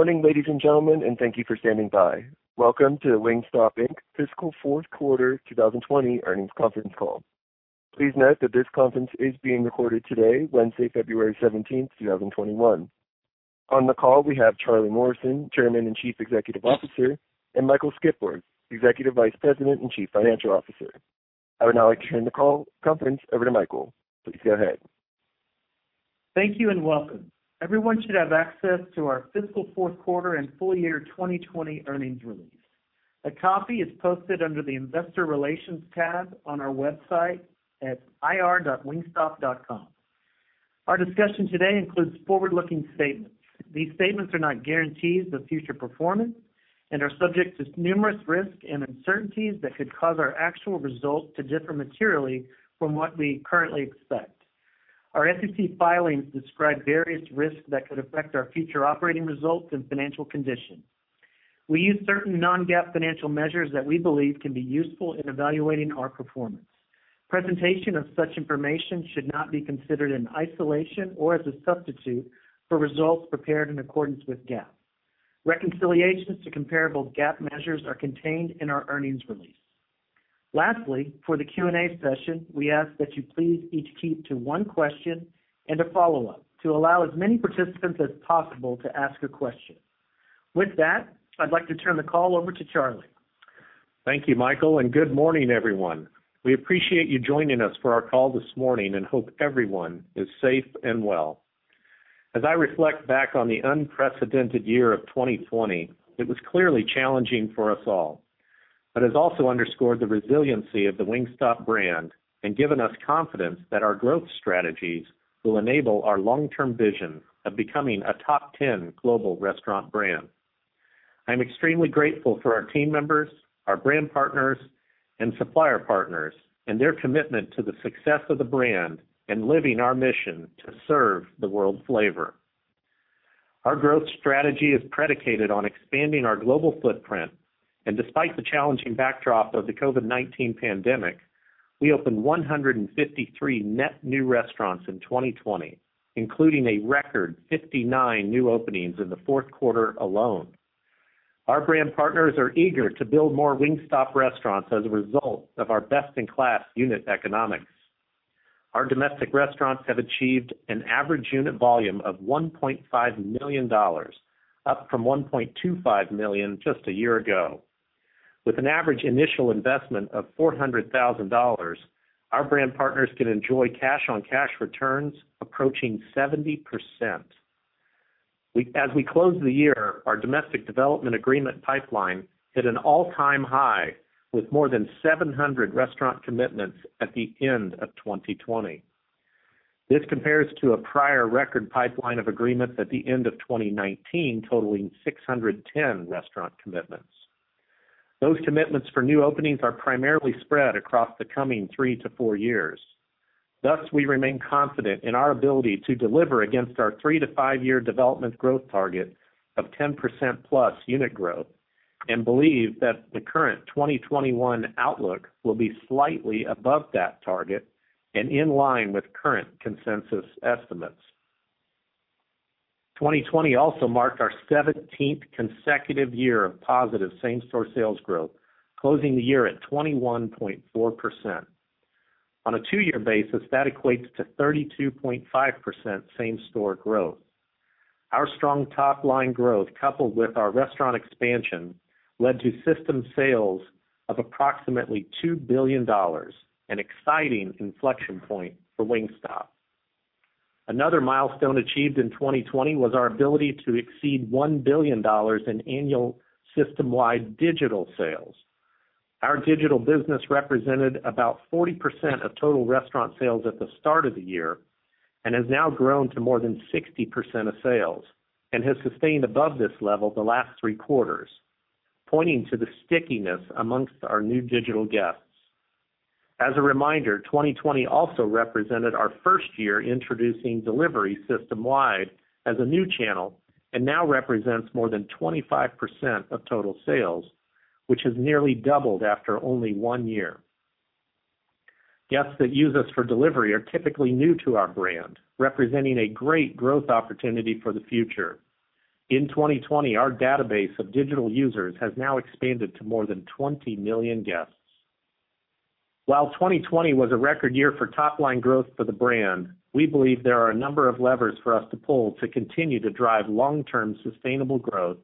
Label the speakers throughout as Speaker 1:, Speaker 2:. Speaker 1: Morning, ladies and gentlemen, and thank you for standing by. Welcome to the Wingstop Inc. Fiscal Fourth Quarter 2020 Earnings Conference Call. Please note that this conference is being recorded today, Wednesday, February 17th, 2021. On the call, we have Charlie Morrison, Chairman and Chief Executive Officer, and Michael Skipworth, Executive Vice President and Chief Financial Officer. I would now like to turn the call conference over to Michael. Please go ahead.
Speaker 2: Thank you and welcome. Everyone should have access to our fiscal fourth quarter and full year 2020 earnings release. A copy is posted under the Investor Relations tab on our website at ir.wingstop.com. Our discussion today includes forward-looking statements. These statements are not guarantees of future performance and are subject to numerous risks and uncertainties that could cause our actual results to differ materially from what we currently expect. Our SEC filings describe various risks that could affect our future operating results and financial condition. We use certain non-GAAP financial measures that we believe can be useful in evaluating our performance. Presentation of such information should not be considered in isolation or as a substitute for results prepared in accordance with GAAP. Reconciliations to comparable GAAP measures are contained in our earnings release. Lastly, for the Q&A session, we ask that you please each keep to one question and a follow-up to allow as many participants as possible to ask a question. With that, I'd like to turn the call over to Charlie.
Speaker 3: Thank you, Michael, and good morning, everyone. We appreciate you joining us for our call this morning and hope everyone is safe and well. As I reflect back on the unprecedented year of 2020, it was clearly challenging for us all, but has also underscored the resiliency of the Wingstop brand and given us confidence that our growth strategies will enable our long-term vision of becoming a top 10 global restaurant brand. I'm extremely grateful for our team members, our brand partners, and supplier partners, and their commitment to the success of the brand and living our mission to serve the world flavor. Our growth strategy is predicated on expanding our global footprint, and despite the challenging backdrop of the COVID-19 pandemic, we opened 153 net new restaurants in 2020, including a record 59 new openings in the fourth quarter alone. Our brand partners are eager to build more Wingstop restaurants as a result of our best-in-class unit economics. Our domestic restaurants have achieved an average unit volume of $1.5 million, up from $1.25 million just a year ago. With an average initial investment of $400,000, our brand partners can enjoy cash-on-cash returns approaching 70%. As we close the year, our domestic development agreement pipeline hit an all-time high, with more than 700 restaurant commitments at the end of 2020. This compares to a prior record pipeline of agreements at the end of 2019 totaling 610 restaurant commitments. Those commitments for new openings are primarily spread across the coming three to four years. Thus, we remain confident in our ability to deliver against our three to five-year development growth target of 10%+ unit growth and believe that the current 2021 outlook will be slightly above that target and in line with current consensus estimates. 2020 also marked our 17th consecutive year of positive same-store sales growth, closing the year at 21.4%. On a two-year basis, that equates to 32.5% same-store growth. Our strong top-line growth, coupled with our restaurant expansion, led to system sales of approximately $2 billion, an exciting inflection point for Wingstop. Another milestone achieved in 2020 was our ability to exceed $1 billion in annual system-wide digital sales. Our digital business represented about 40% of total restaurant sales at the start of the year and has now grown to more than 60% of sales and has sustained above this level the last three quarters, pointing to the stickiness amongst our new digital guests. As a reminder, 2020 also represented our first year introducing delivery system-wide as a new channel and now represents more than 25% of total sales, which has nearly doubled after only one year. Guests that use us for delivery are typically new to our brand, representing a great growth opportunity for the future. In 2020, our database of digital users has now expanded to more than 20 million guests. While 2020 was a record year for top-line growth for the brand, we believe there are a number of levers for us to pull to continue to drive long-term sustainable growth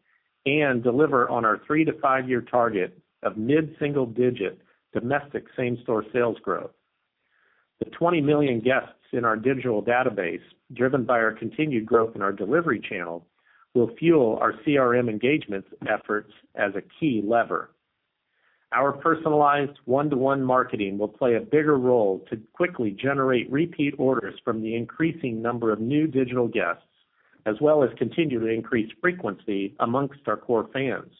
Speaker 3: and deliver on our three to five-year target of mid-single-digit domestic same-store sales growth. The 20 million guests in our digital database, driven by our continued growth in our delivery channel, will fuel our CRM engagement efforts as a key lever. Our personalized one-to-one marketing will play a bigger role to quickly generate repeat orders from the increasing number of new digital guests, as well as continue to increase frequency amongst our core fans.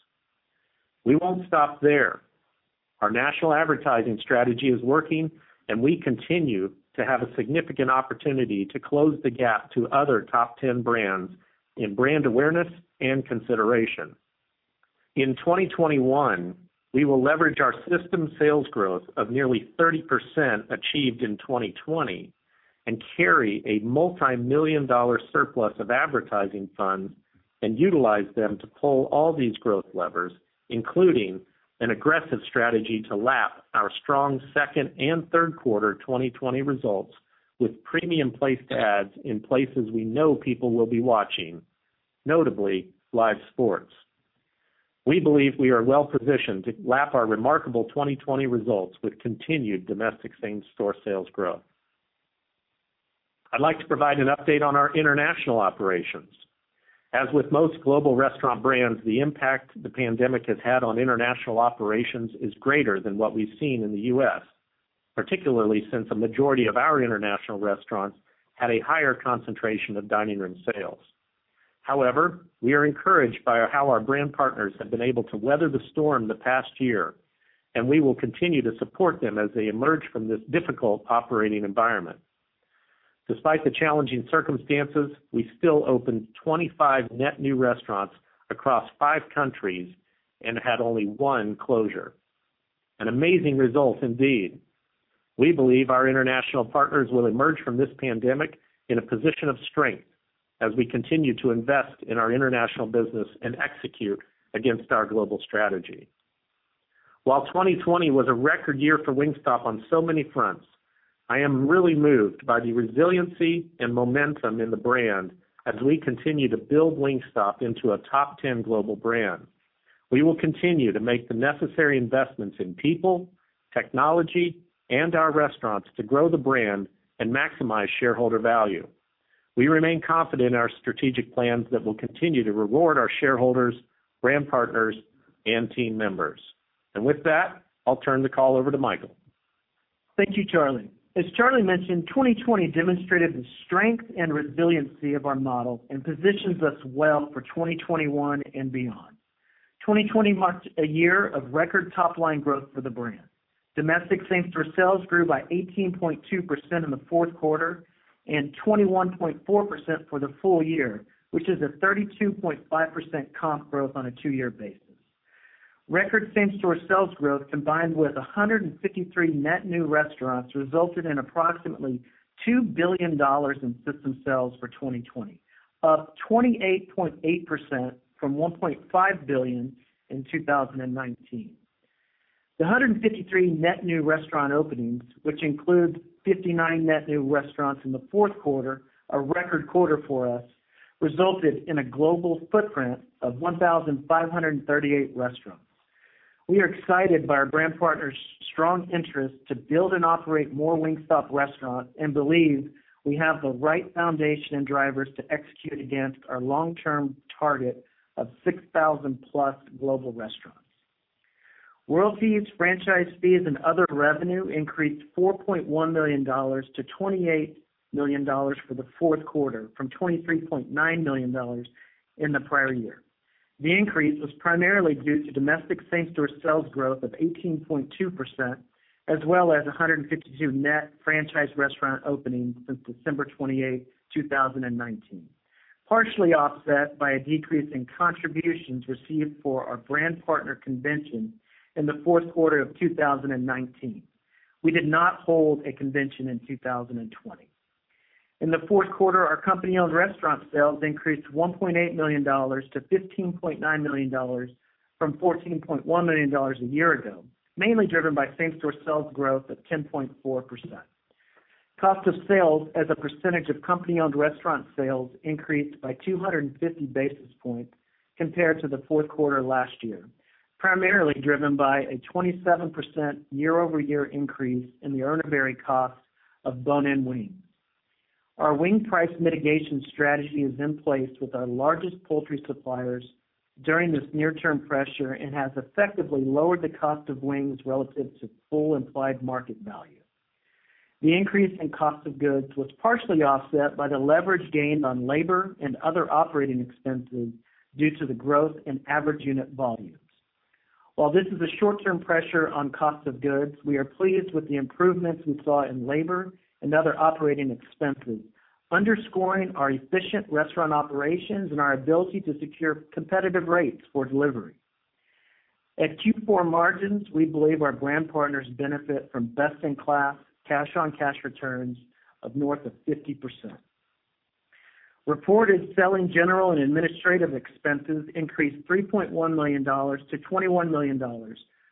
Speaker 3: We won't stop there. Our national advertising strategy is working, and we continue to have a significant opportunity to close the gap to other top 10 brands in brand awareness and consideration. In 2021, we will leverage our system sales growth of nearly 30% achieved in 2020 and carry a multimillion-dollar surplus of advertising funds and utilize them to pull all these growth levers, including an aggressive strategy to lap our strong second and third quarter 2020 results with premium placed ads in places we know people will be watching, notably live sports. We believe we are well positioned to lap our remarkable 2020 results with continued domestic same-store sales growth. I'd like to provide an update on our international operations. As with most global restaurant brands, the impact the pandemic has had on international operations is greater than what we've seen in the U.S., particularly since a majority of our international restaurants had a higher concentration of dining room sales. However, we are encouraged by how our brand partners have been able to weather the storm the past year, and we will continue to support them as they emerge from this difficult operating environment. Despite the challenging circumstances, we still opened 25 net new restaurants across five countries and had only one closure. An amazing result indeed. We believe our international partners will emerge from this pandemic in a position of strength as we continue to invest in our international business and execute against our global strategy. While 2020 was a record year for Wingstop on so many fronts, I am really moved by the resiliency and momentum in the brand as we continue to build Wingstop into a top 10 global brand. We will continue to make the necessary investments in people, technology, and our restaurants to grow the brand and maximize shareholder value. We remain confident in our strategic plans that will continue to reward our shareholders, brand partners, and team members. With that, I'll turn the call over to Michael.
Speaker 2: Thank you, Charlie. As Charlie mentioned, 2020 demonstrated the strength and resiliency of our model and positions us well for 2021 and beyond. 2020 marked a year of record top-line growth for the brand. Domestic same-store sales grew by 18.2% in the fourth quarter and 21.4% for the full year, which is a 32.5% comp growth on a two-year basis. Record same-store sales growth, combined with 153 net new restaurants, resulted in approximately $2 billion in system sales for 2020, up 28.8% from $1.5 billion in 2019. The 153 net new restaurant openings, which include 59 net new restaurants in the fourth quarter, a record quarter for us, resulted in a global footprint of 1,538 restaurants. We are excited by our brand partners' strong interest to build and operate more Wingstop restaurants and believe we have the right foundation and drivers to execute against our long-term target of 6,000-plus global restaurants. Royalty, franchise fees, and other revenue increased $4.1 million to $28 million for the fourth quarter from $23.9 million in the prior year. The increase was primarily due to domestic same-store sales growth of 18.2%, as well as 152 net franchise restaurant openings since December 28th, 2019, partially offset by a decrease in contributions received for our brand partner convention in the fourth quarter of 2019. We did not hold a convention in 2020. In the fourth quarter, our company-owned restaurant sales increased $1.8 million to $15.9 million from $14.1 million a year ago, mainly driven by same-store sales growth of 10.4%. Cost of sales as a percentage of company-owned restaurant sales increased by 250 basis points compared to the fourth quarter last year, primarily driven by a 27% year-over-year increase in the Urner Barry costs of bone-in wings. Our wing price mitigation strategy is in place with our largest poultry suppliers during this near-term pressure and has effectively lowered the cost of wings relative to full implied market value. The increase in cost of goods was partially offset by the leverage gained on labor and other operating expenses due to the growth in average unit volumes. While this is a short-term pressure on cost of goods, we are pleased with the improvements we saw in labor and other operating expenses, underscoring our efficient restaurant operations and our ability to secure competitive rates for delivery. At Q4 margins, we believe our brand partners benefit from best-in-class cash-on-cash returns of north of 50%. Reported selling general and administrative expenses increased $3.1 million to $21 million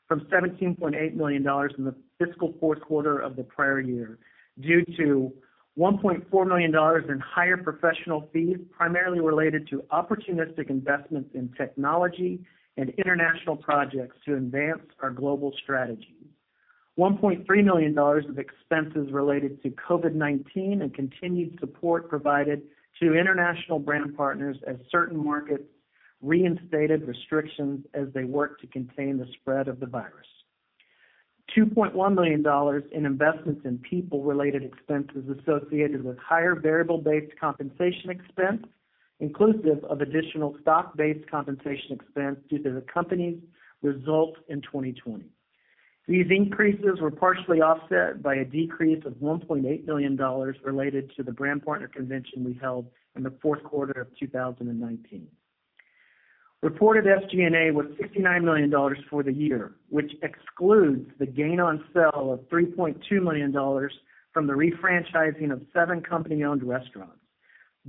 Speaker 2: from $17.8 million in the fiscal fourth quarter of the prior year due to $1.4 million in higher professional fees, primarily related to opportunistic investments in technology and international projects to advance our global strategy. $1.3 million of expenses related to COVID-19 and continued support provided to international brand partners as certain markets reinstated restrictions as they work to contain the spread of the virus. $2.1 million in investments in people-related expenses associated with higher variable-based compensation expense, inclusive of additional stock-based compensation expense due to the company's results in 2020. These increases were partially offset by a decrease of $1.8 million related to the brand partner convention we held in the fourth quarter of 2019. Reported SG&A was $69 million for the year, which excludes the gain on sale of $3.2 million from the refranchising of seven company-owned restaurants.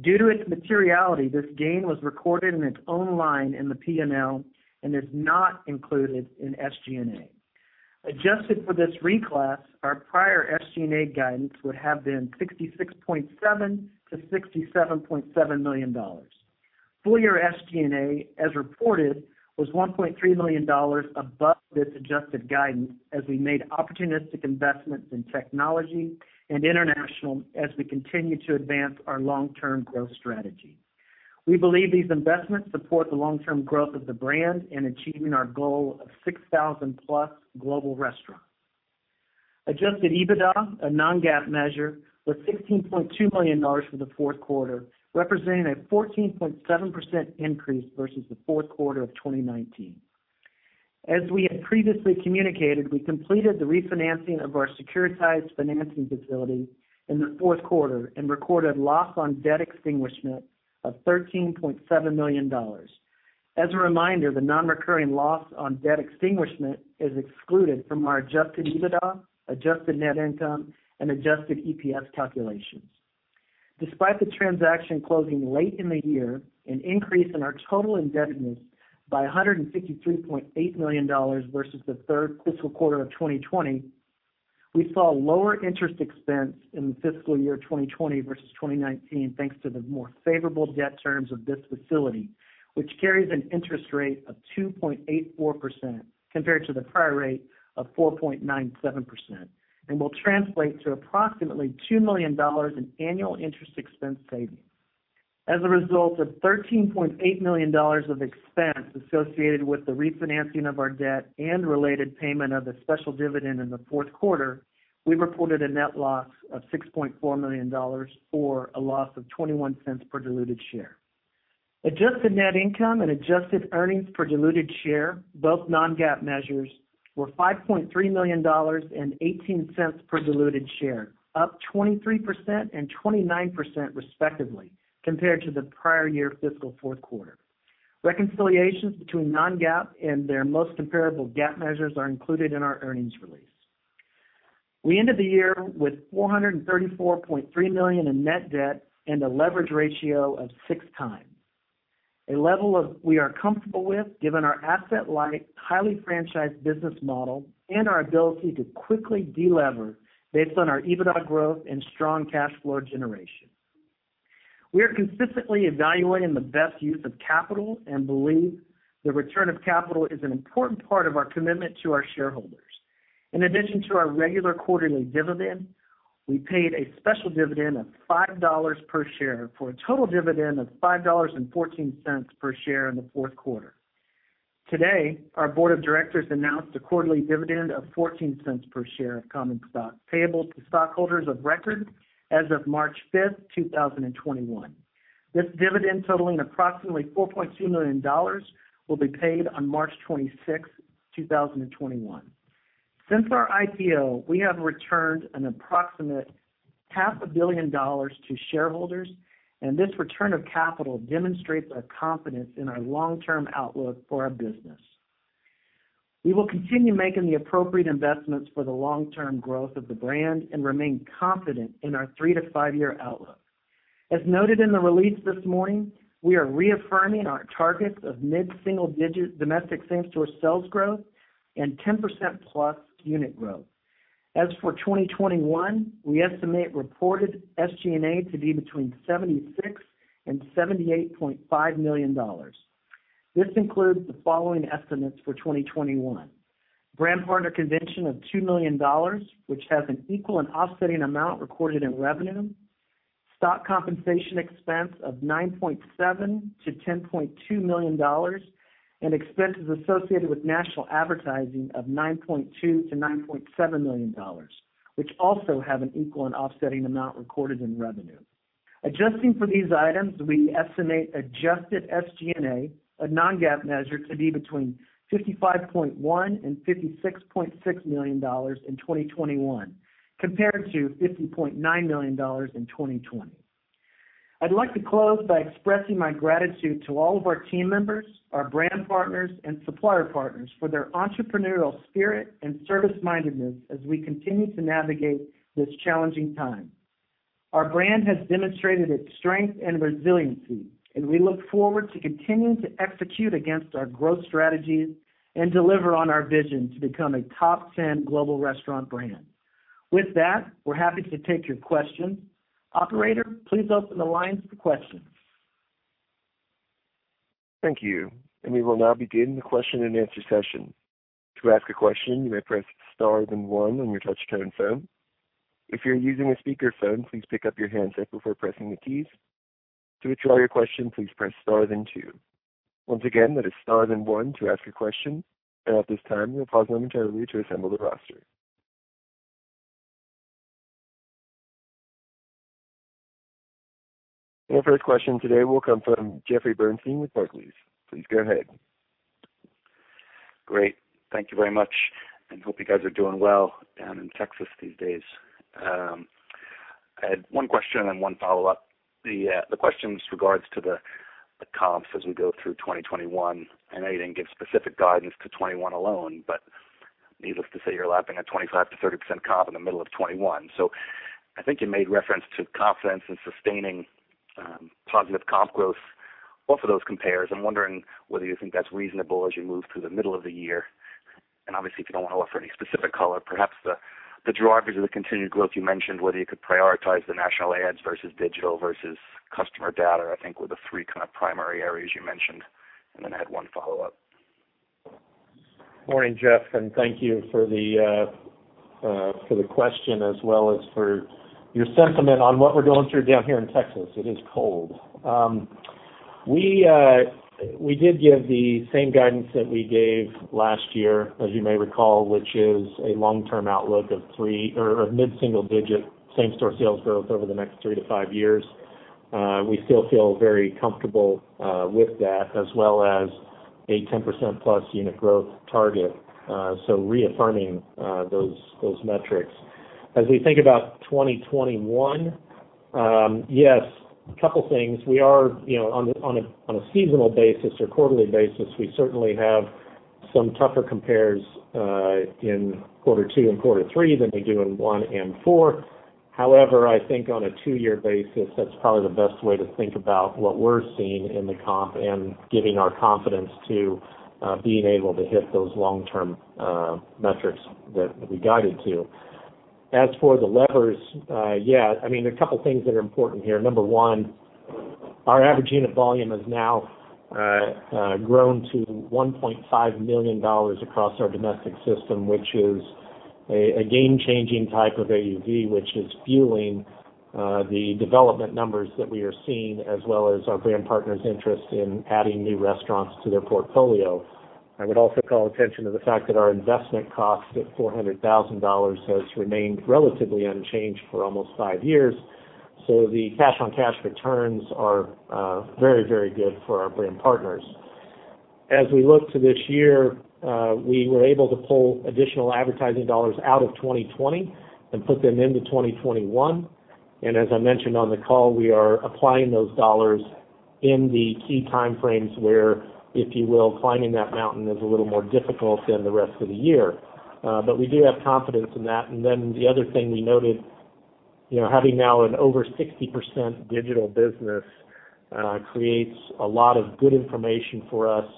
Speaker 2: Due to its materiality, this gain was recorded in its own line in the P&L and is not included in SG&A. Adjusted for this reclass, our prior SG&A guidance would have been $66.7 million-$67.7 million. Full year SG&A, as reported, was $1.3 million above this adjusted guidance as we made opportunistic investments in technology and international as we continue to advance our long-term growth strategy. We believe these investments support the long-term growth of the brand in achieving our goal of 6,000-plus global restaurants. Adjusted EBITDA, a non-GAAP measure, was $16.2 million for the fourth quarter, representing a 14.7% increase versus the fourth quarter of 2019. As we had previously communicated, we completed the refinancing of our securitized financing facility in the fourth quarter and recorded loss on debt extinguishment of $13.7 million. As a reminder, the non-recurring loss on debt extinguishment is excluded from our adjusted EBITDA, adjusted net income, and adjusted EPS calculations. Despite the transaction closing late in the year, an increase in our total indebtedness by $153.8 million versus the third fiscal quarter of 2020, we saw lower interest expense in the fiscal year 2020 versus 2019 thanks to the more favorable debt terms of this facility, which carries an interest rate of 2.84% compared to the prior rate of 4.97%, and will translate to approximately $2 million in annual interest expense savings. As a result of $13.8 million of expense associated with the refinancing of our debt and related payment of the special dividend in the fourth quarter, we reported a net loss of $6.4 million, or a loss of $0.21 per diluted share. Adjusted net income and adjusted earnings per diluted share, both non-GAAP measures, were $5.3 million and $0.18 per diluted share, up 23% and 29% respectively compared to the prior year fiscal fourth quarter. Reconciliations between non-GAAP and their most comparable GAAP measures are included in our earnings release. We ended the year with $434.3 million in net debt and a leverage ratio of 6x, a level we are comfortable with given our asset-light, highly franchised business model and our ability to quickly de-lever based on our EBITDA growth and strong cash flow generation. We are consistently evaluating the best use of capital and believe the return of capital is an important part of our commitment to our shareholders. In addition to our regular quarterly dividend, we paid a special dividend of $5 per share for a total dividend of $5.14 per share in the fourth quarter. Today, our board of directors announced a quarterly dividend of $0.14 per share of common stock, payable to stockholders of record as of March 5th, 2021. This dividend totaling approximately $4.2 million will be paid on March 26th, 2021. Since our IPO, we have returned an approximate half a billion dollars to shareholders, and this return of capital demonstrates our confidence in our long-term outlook for our business. We will continue making the appropriate investments for the long-term growth of the brand and remain confident in our three to five-year outlook. As noted in the release this morning, we are reaffirming our targets of mid-single-digit domestic same-store sales growth and 10%-plus unit growth. As for 2021, we estimate reported SG&A to be between $76 million and $78.5 million. This includes the following estimates for 2021: brand partner convention of $2 million, which has an equal and offsetting amount recorded in revenue; stock compensation expense of $9.7 million-$10.2 million; and expenses associated with national advertising of $9.2 million-$9.7 million, which also have an equal and offsetting amount recorded in revenue. Adjusting for these items, we estimate adjusted SG&A, a non-GAAP measure, to be between $55.1 million and $56.6 million in 2021, compared to $50.9 million in 2020. I'd like to close by expressing my gratitude to all of our team members, our brand partners, and supplier partners for their entrepreneurial spirit and service mindedness as we continue to navigate this challenging time. Our brand has demonstrated its strength and resiliency, and we look forward to continuing to execute against our growth strategies and deliver on our vision to become a top 10 global restaurant brand. With that, we're happy to take your questions. Operator, please open the lines for questions.
Speaker 1: Thank you. We will now begin the question and answer session. To ask a question, you may press star then one on your touchtone phone. If you're using a speakerphone, please pick up your handset before pressing the keys. To withdraw your question, please press star then two. Once again, that is star then one to ask your question. At this time, we'll pause momentarily to assemble the roster. Our first question today will come from Jeffrey Bernstein with Barclays. Please go ahead.
Speaker 4: Great. Thank you very much. Hope you guys are doing well down in Texas these days. I had one question and one follow-up. The question is regards to the comps as we go through 2021. I know you didn't give specific guidance to 2021 alone, needless to say, you're lapping a 25%-30% comp in the middle of 2021. I think you made reference to confidence in sustaining positive comp growth off of those compares. I'm wondering whether you think that's reasonable as you move through the middle of the year, and obviously, if you don't want to offer any specific color, perhaps the drivers of the continued growth you mentioned, whether you could prioritize the national ads versus digital versus customer data, I think, were the three kind of primary areas you mentioned. Then I had one follow-up.
Speaker 3: Morning, Jeff, and thank you for the question as well as for your sentiment on what we're going through down here in Texas. It is cold. We did give the same guidance that we gave last year, as you may recall, which is a long-term outlook of mid-single-digit same-store sales growth over the next three to five years. We still feel very comfortable with that as well as a 10% plus unit growth target. Reaffirming those metrics. As we think about 2021, yes, a couple things. We are on a seasonal basis or quarterly basis, we certainly have some tougher compares in quarter two and quarter three than we do in one and four. However, I think on a two-year basis, that's probably the best way to think about what we're seeing in the comp and giving our confidence to being able to hit those long-term metrics that we guided to. As for the levers, yeah, there are a couple things that are important here. Number one, our average unit volume has now grown to $1.5 million across our domestic system, which is a game-changing type of AUV, which is fueling the development numbers that we are seeing, as well as our brand partners' interest in adding new restaurants to their portfolio. I would also call attention to the fact that our investment cost at $400,000 has remained relatively unchanged for almost five years. The cash-on-cash returns are very good for our brand partners. As we look to this year, we were able to pull additional advertising dollars out of 2020 and put them into 2021. As I mentioned on the call, we are applying those dollars in the key time frames where, if you will, climbing that mountain is a little more difficult than the rest of the year. We do have confidence in that. Then the other thing we noted, having now an over 60% digital business creates a lot of good information for us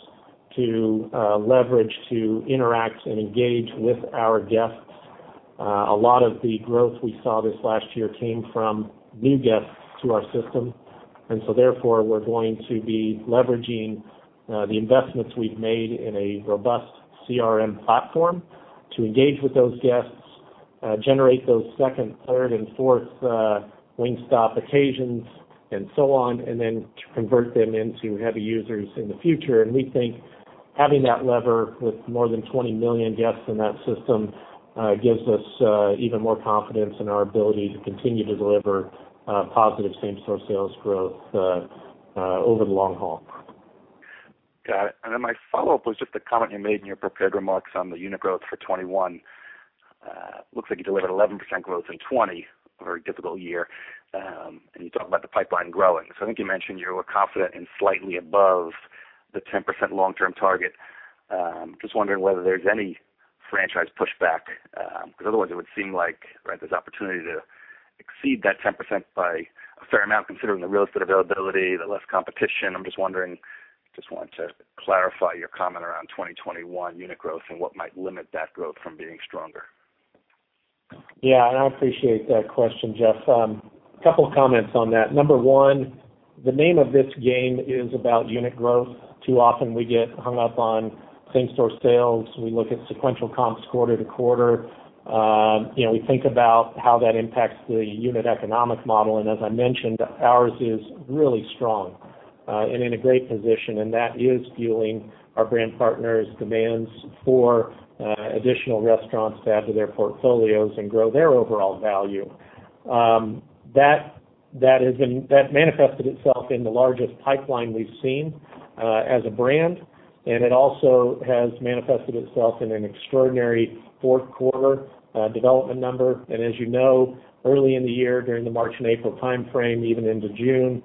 Speaker 3: to leverage to interact and engage with our guests. A lot of the growth we saw this last year came from new guests to our system. Therefore, we're going to be leveraging the investments we've made in a robust CRM platform to engage with those guests, generate those second, third, and fourth Wingstop occasions, and so on, and then to convert them into heavy users in the future. We think having that lever with more than 20 million guests in that system gives us even more confidence in our ability to continue to deliver positive same-store sales growth over the long haul.
Speaker 4: Got it. My follow-up was just the comment you made in your prepared remarks on the unit growth for 2021. Looks like you delivered 11% growth in 2020, a very difficult year, and you talk about the pipeline growing. I think you mentioned you were confident in slightly above the 10% long-term target. Just wondering whether there's any franchise pushback, because otherwise it would seem like there's opportunity to exceed that 10% by a fair amount, considering the real estate availability, the less competition. Just want to clarify your comment around 2021 unit growth and what might limit that growth from being stronger.
Speaker 3: I appreciate that question, Jeff. Couple comments on that. Number one, the name of this game is about unit growth. Too often we get hung up on same-store sales. We look at sequential comps quarter to quarter. We think about how that impacts the unit economic model, and as I mentioned, ours is really strong and in a great position, and that is fueling our brand partners' demands for additional restaurants to add to their portfolios and grow their overall value. That manifested itself in the largest pipeline we've seen as a brand, and it also has manifested itself in an extraordinary fourth quarter development number. As you know, early in the year, during the March and April timeframe, even into June,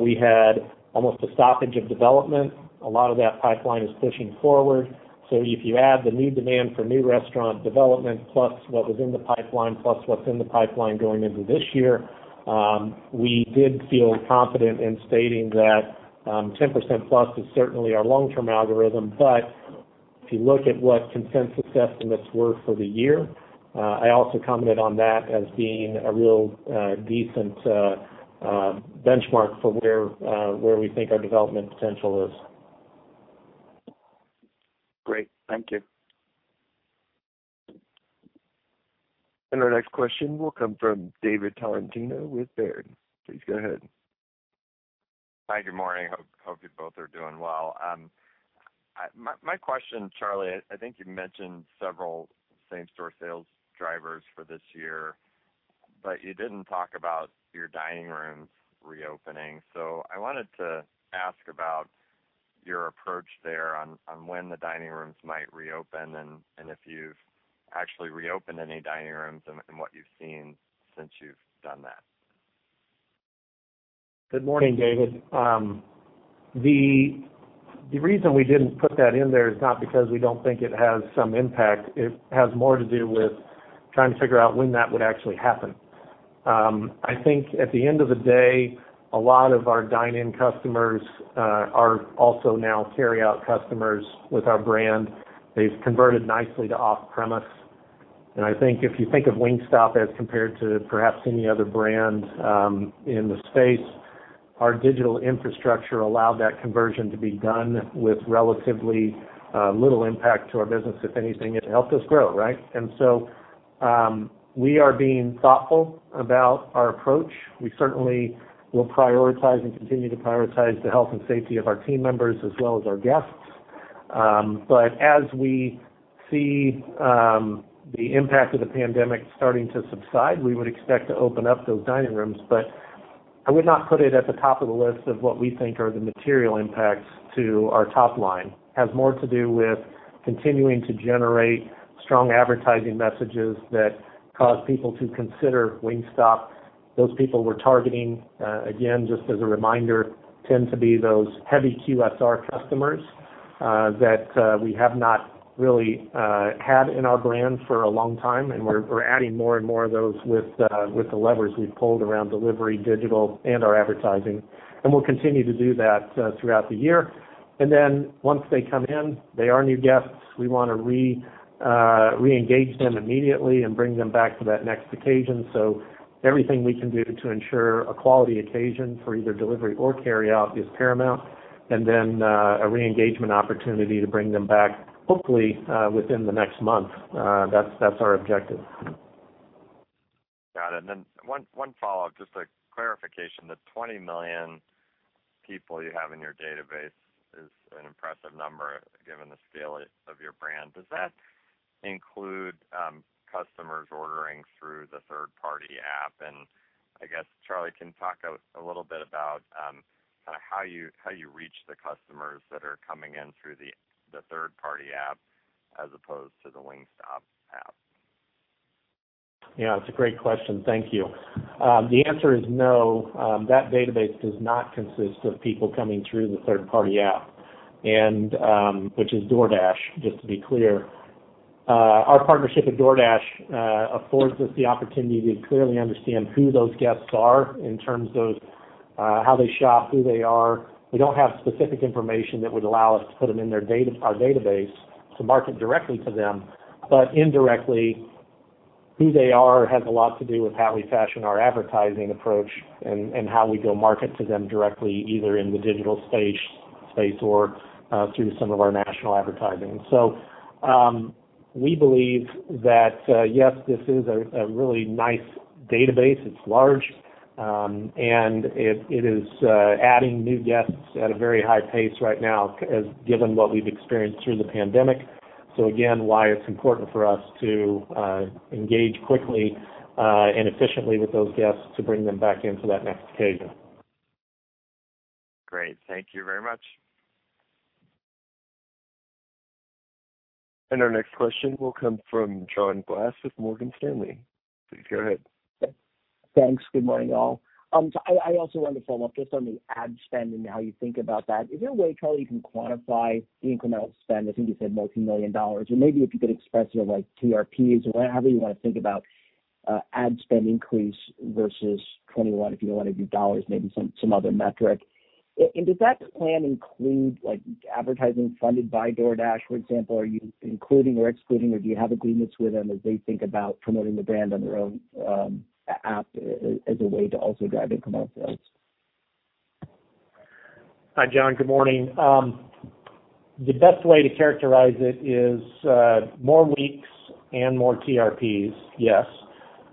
Speaker 3: we had almost a stoppage of development. A lot of that pipeline is pushing forward. If you add the new demand for new restaurant development plus what was in the pipeline plus what's in the pipeline going into this year, we did feel confident in stating that 10% plus is certainly our long-term algorithm. If you look at what consensus estimates were for the year, I also commented on that as being a real decent benchmark for where we think our development potential is.
Speaker 4: Great. Thank you.
Speaker 1: Our next question will come from David Tarantino with Baird. Please go ahead.
Speaker 5: Hi, good morning. Hope you both are doing well. My question, Charlie, I think you mentioned several same-store sales drivers for this year, but you didn't talk about your dining rooms reopening. I wanted to ask about your approach there on when the dining rooms might reopen and if you've actually reopened any dining rooms and what you've seen since you've done that?
Speaker 3: Good morning, David. The reason we didn't put that in there is not because we don't think it has some impact. It has more to do with trying to figure out when that would actually happen. I think at the end of the day, a lot of our dine-in customers are also now carryout customers with our brand. They've converted nicely to off-premise, and I think if you think of Wingstop as compared to perhaps any other brand in the space, our digital infrastructure allowed that conversion to be done with relatively little impact to our business. If anything, it helped us grow, right? We are being thoughtful about our approach. We certainly will prioritize and continue to prioritize the health and safety of our team members as well as our guests. As we see the impact of the pandemic starting to subside, we would expect to open up those dining rooms, but I would not put it at the top of the list of what we think are the material impacts to our top line. It has more to do with continuing to generate strong advertising messages that cause people to consider Wingstop. Those people we're targeting, again, just as a reminder, tend to be those heavy QSR customers that we have not really had in our brand for a long time, and we're adding more and more of those with the levers we've pulled around delivery, digital, and our advertising. We'll continue to do that throughout the year. Once they come in, they are new guests. We want to re-engage them immediately and bring them back for that next occasion. Everything we can do to ensure a quality occasion for either delivery or carryout is paramount, and then a re-engagement opportunity to bring them back, hopefully, within the next month. That's our objective.
Speaker 5: Got it. Then one follow-up, just a clarification. The 20 million people you have in your database is an impressive number given the scale of your brand. Does that include customers ordering through the third-party app? I guess, Charlie, can you talk a little bit about how you reach the customers that are coming in through the third-party app as opposed to the Wingstop app?
Speaker 3: Yeah, that's a great question. Thank you. The answer is no, that database does not consist of people coming through the third-party app, which is DoorDash, just to be clear. Our partnership with DoorDash affords us the opportunity to clearly understand who those guests are in terms of how they shop, who they are. We don't have specific information that would allow us to put them in our database to market directly to them. Indirectly, who they are has a lot to do with how we fashion our advertising approach and how we go market to them directly, either in the digital space or through some of our national advertising. We believe that, yes, this is a really nice database. It's large, and it is adding new guests at a very high pace right now, given what we've experienced through the pandemic. Again, why it's important for us to engage quickly and efficiently with those guests to bring them back in to that next occasion.
Speaker 5: Great. Thank you very much.
Speaker 1: Our next question will come from John Glass with Morgan Stanley. Please go ahead.
Speaker 6: Thanks. Good morning, all. I also wanted to follow up just on the ad spend and how you think about that. Is there a way, Charlie, you can quantify the incremental spend? I think you said multimillion dollars, or maybe if you could express it like TRPs or however you want to think about ad spend increase versus 2021, if you don't want to do dollars, maybe some other metric. Does that plan include advertising funded by DoorDash, for example? Are you including or excluding, or do you have agreements with them as they think about promoting the brand on their own app as a way to also drive incremental sales?
Speaker 3: Hi, John. Good morning. The best way to characterize it is more weeks and more TRPs. Yes.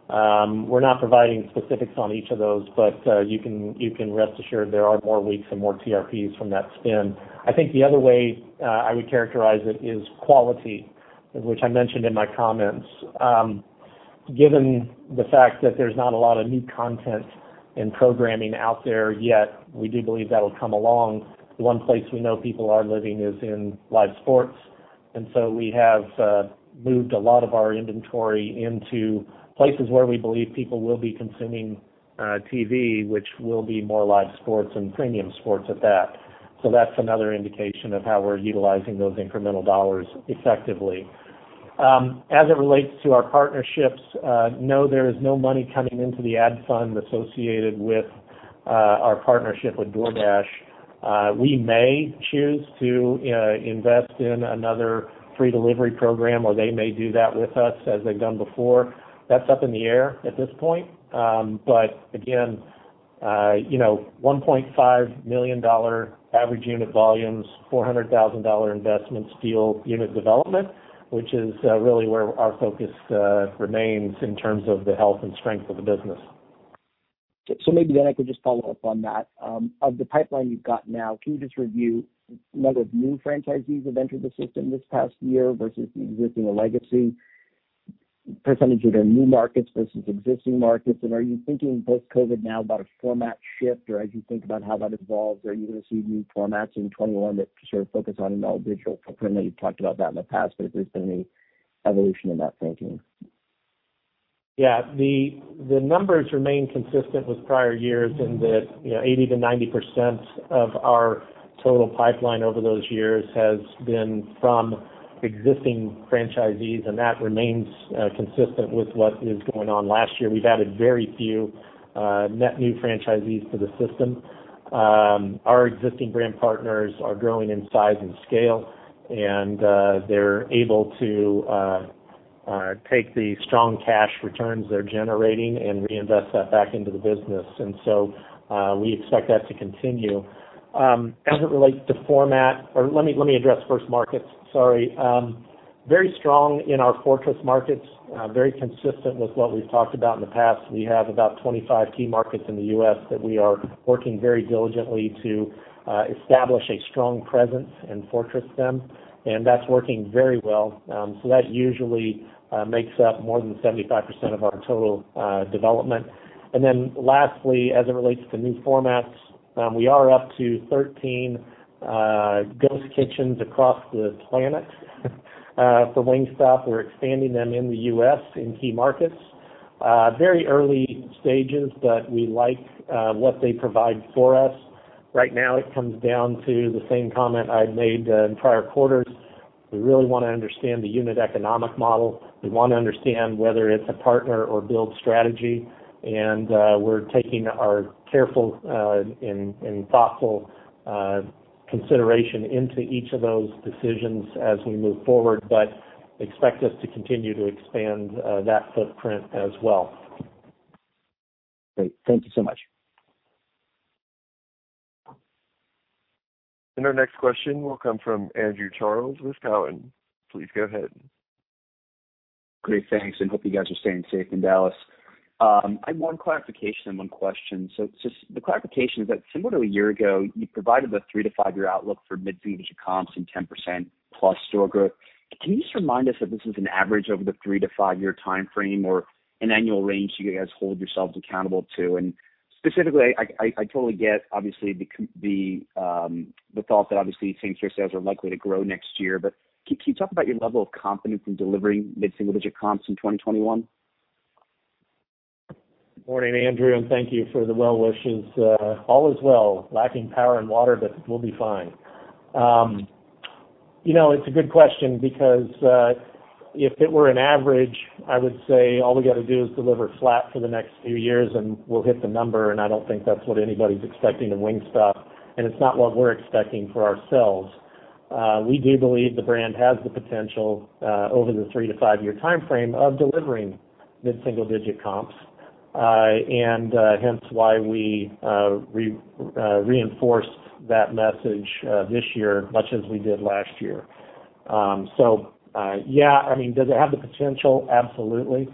Speaker 3: We're not providing specifics on each of those, but you can rest assured there are more weeks and more TRPs from that spend. I think the other way I would characterize it is quality, which I mentioned in my comments. Given the fact that there's not a lot of new content and programming out there yet, we do believe that'll come along. The one place we know people are living is in live sports, and so we have moved a lot of our inventory into places where we believe people will be consuming TV, which will be more live sports and premium sports at that. That's another indication of how we're utilizing those incremental dollars effectively. As it relates to our partnerships, no, there is no money coming into the ad fund associated with our partnership with DoorDash. We may choose to invest in another free delivery program, or they may do that with us as they've done before. That's up in the air at this point. Again, $1.5 million average unit volumes, $400,000 investment fuel unit development, which is really where our focus remains in terms of the health and strength of the business.
Speaker 6: Maybe then I could just follow up on that. Of the pipeline you've got now, can you just review the number of new franchisees who have entered the system this past year versus the existing legacy, percentage of their new markets versus existing markets? Are you thinking, post-COVID-19 now, about a format shift? As you think about how that evolves, are you going to see new formats in 2021 that sort of focus on an all-digital footprint? I know you've talked about that in the past, has there been any evolution in that thinking?
Speaker 3: Yeah. The numbers remain consistent with prior years in that 80%-90% of our total pipeline over those years has been from existing franchisees. That remains consistent with what is going on. Last year, we've added very few net new franchisees to the system. Our existing brand partners are growing in size and scale. They're able to take the strong cash returns they're generating and reinvest that back into the business. We expect that to continue. As it relates to format, or let me address first markets. Sorry. Very strong in our fortress markets. Very consistent with what we've talked about in the past. We have about 25 key markets in the U.S. that we are working very diligently to establish a strong presence and fortress them. That's working very well. That usually makes up more than 75% of our total development. Lastly, as it relates to new formats, we are up to 13 ghost kitchens across the planet for Wingstop. We're expanding them in the U.S. in key markets. Very early stages, we like what they provide for us. Right now, it comes down to the same comment I've made in prior quarters. We really want to understand the unit economic model. We want to understand whether it's a partner or build strategy, we're taking our careful and thoughtful consideration into each of those decisions as we move forward, expect us to continue to expand that footprint as well.
Speaker 6: Great. Thank you so much.
Speaker 1: Our next question will come from Andrew Charles with Cowen. Please go ahead.
Speaker 7: Great. Thanks, and hope you guys are staying safe in Dallas. I have one clarification and one question. Just the clarification is that similar to a year ago, you provided a three to five year outlook for mid-single digit comps and 10%+ store growth. Can you just remind us if this is an average over the three to five year timeframe or an annual range you guys hold yourselves accountable to? Specifically, I totally get, obviously, the thought that obviously same-store sales are likely to grow next year. Can you talk about your level of confidence in delivering mid-single digit comps in 2021?
Speaker 3: Morning, Andrew, and thank you for the well wishes. All is well. Lacking power and water, but we'll be fine. It's a good question because if it were an average, I would say all we got to do is deliver flat for the next few years, and we'll hit the number, and I don't think that's what anybody's expecting of Wingstop, and it's not what we're expecting for ourselves. We do believe the brand has the potential, over the three to five-year timeframe, of delivering mid-single digit comps, and hence why we reinforced that message this year as much as we did last year. Yeah. Does it have the potential? Absolutely.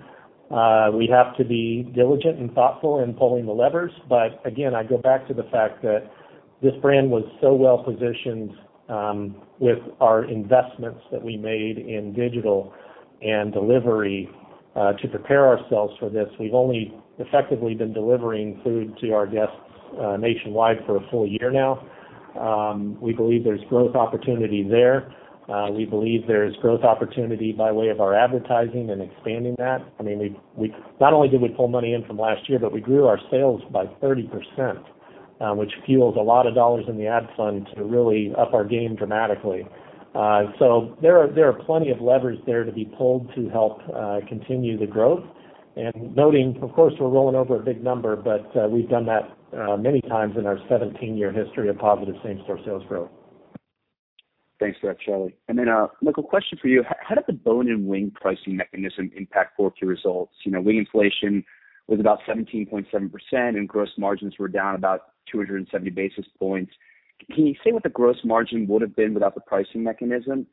Speaker 3: We have to be diligent and thoughtful in pulling the levers. Again, I go back to the fact that this brand was so well positioned with our investments that we made in digital and delivery to prepare ourselves for this. We've only effectively been delivering food to our guests nationwide for a full year now. We believe there's growth opportunity there. We believe there is growth opportunity by way of our advertising and expanding that. Not only did we pull money in from last year, but we grew our sales by 30%, which fuels a lot of dollars in the ad fund to really up our game dramatically. There are plenty of levers there to be pulled to help continue the growth. Noting, of course, we're rolling over a big number, but we've done that many times in our 17-year history of positive same-store sales growth.
Speaker 7: Thanks for that, Charlie. Michael, question for you. How did the bone-in wing pricing mechanism impact 4Q results? Wing inflation was about 17.7%, and gross margins were down about 270 basis points. Can you say what the gross margin would've been without the pricing mechanism?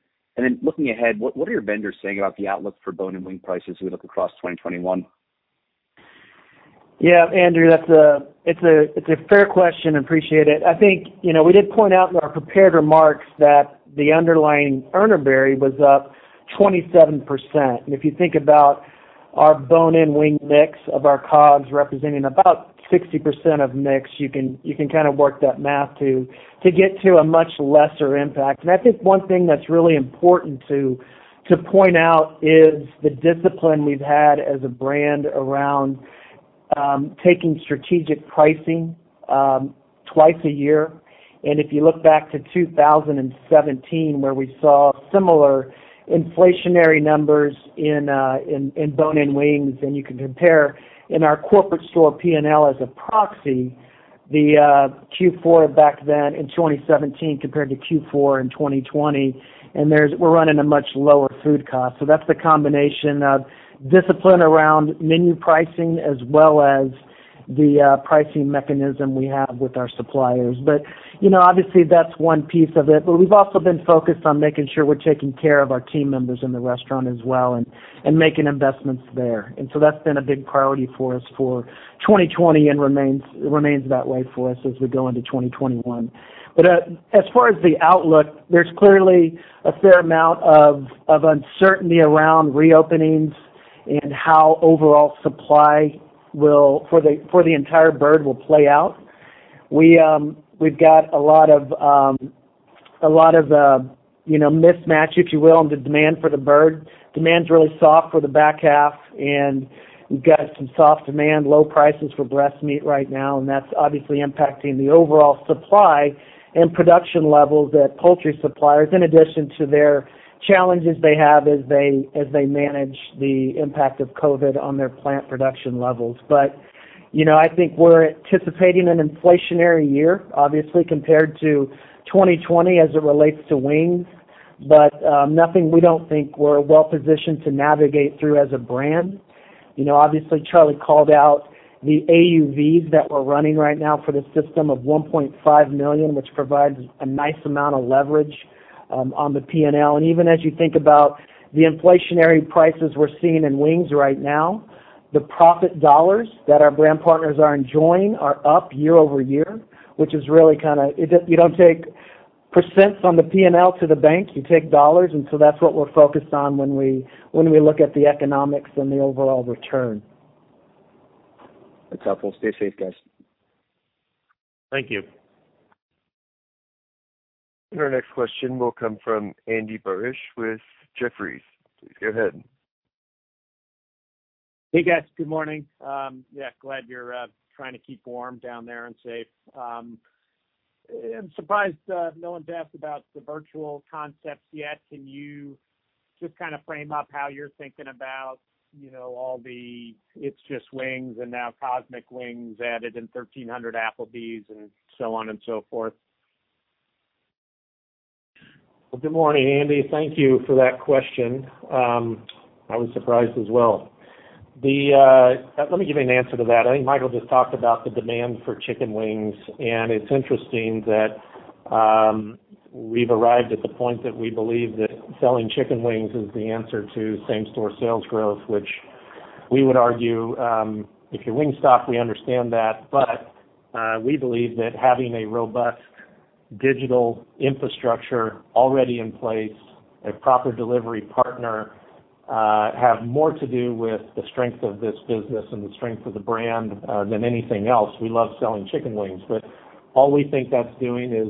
Speaker 7: Looking ahead, what are your vendors saying about the outlook for bone-in wing prices as we look across 2021?
Speaker 2: Yeah, Andrew, that's a fair question. Appreciate it. I think we did point out in our prepared remarks that the underlying Urner Barry was up 27%. If you think about our bone-in wing mix of our COGS representing about 60% of mix, you can kind of work that math to get to a much lesser impact. I think one thing that's really important to point out is the discipline we've had as a brand around taking strategic pricing twice a year. If you look back to 2017, where we saw similar inflationary numbers in bone-in wings, and you can compare in our corporate store P&L as a proxy, the Q4 back then in 2017 compared to Q4 in 2020, and we're running a much lower food cost. That's the combination of discipline around menu pricing as well as the pricing mechanism we have with our suppliers. Obviously, that's one piece of it. We've also been focused on making sure we're taking care of our team members in the restaurant as well and making investments there. So that's been a big priority for us for 2020 and remains that way for us as we go into 2021. As far as the outlook, there's clearly a fair amount of uncertainty around reopenings and how overall supply for the entire bird will play out. We've got a lot of mismatch, if you will, on the demand for the bird. Demand is really soft for the back half, and we've got some soft demand, low prices for breast meat right now, and that's obviously impacting the overall supply and production levels at poultry suppliers, in addition to their challenges they have as they manage the impact of COVID on their plant production levels. I think we're anticipating an inflationary year, obviously, compared to 2020 as it relates to wings, but nothing we don't think we're well-positioned to navigate through as a brand. Obviously, Charlie called out the AUVs that we're running right now for the system of $1.5 million, which provides a nice amount of leverage on the P&L. Even as you think about the inflationary prices we're seeing in wings right now, the profit dollars that our brand partners are enjoying are up year-over-year. You don't take percents on the P&L to the bank. You take dollars, that's what we're focused on when we look at the economics and the overall return.
Speaker 7: That's helpful. Stay safe, guys.
Speaker 3: Thank you.
Speaker 1: Our next question will come from Andy Barish with Jefferies. Please go ahead.
Speaker 8: Hey, guys. Good morning. Yeah. Glad you're trying to keep warm down there and safe. I'm surprised no one's asked about the virtual concepts yet. Can you just kind of frame up how you're thinking about all the It's Just Wings and now Cosmic Wings added and 1,300 Applebee's and so on and so forth?
Speaker 3: Well, good morning, Andy. Thank you for that question. I was surprised as well. Let me give you an answer to that. I think Michael just talked about the demand for chicken wings, and it's interesting that we've arrived at the point that we believe that selling chicken wings is the answer to same-store sales growth, which we would argue, if you're Wingstop, we understand that. We believe that having a robust digital infrastructure already in place, a proper delivery partner, have more to do with the strength of this business and the strength of the brand than anything else. We love selling chicken wings, but all we think that's doing is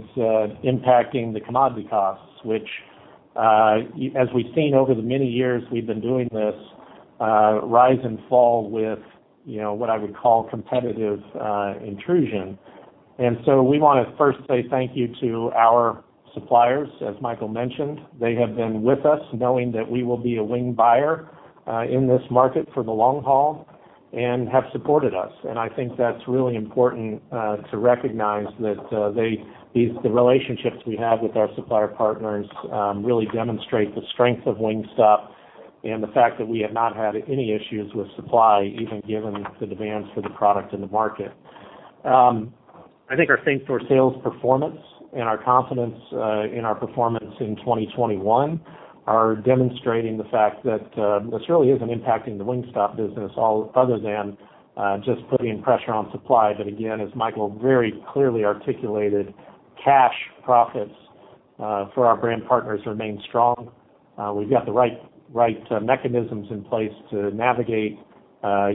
Speaker 3: impacting the commodity costs, which as we've seen over the many years we've been doing this, rise and fall with what I would call competitive intrusion. We want to first say thank you to our suppliers, as Michael mentioned. They have been with us knowing that we will be a wing buyer in this market for the long haul and have supported us. I think that's really important to recognize that the relationships we have with our supplier partners really demonstrate the strength of Wingstop and the fact that we have not had any issues with supply, even given the demands for the product in the market. I think our same-store sales performance and our confidence in our performance in 2021 are demonstrating the fact that this really isn't impacting the Wingstop business other than just putting pressure on supply. Again, as Michael very clearly articulated, cash profits for our brand partners remain strong. We've got the right mechanisms in place to navigate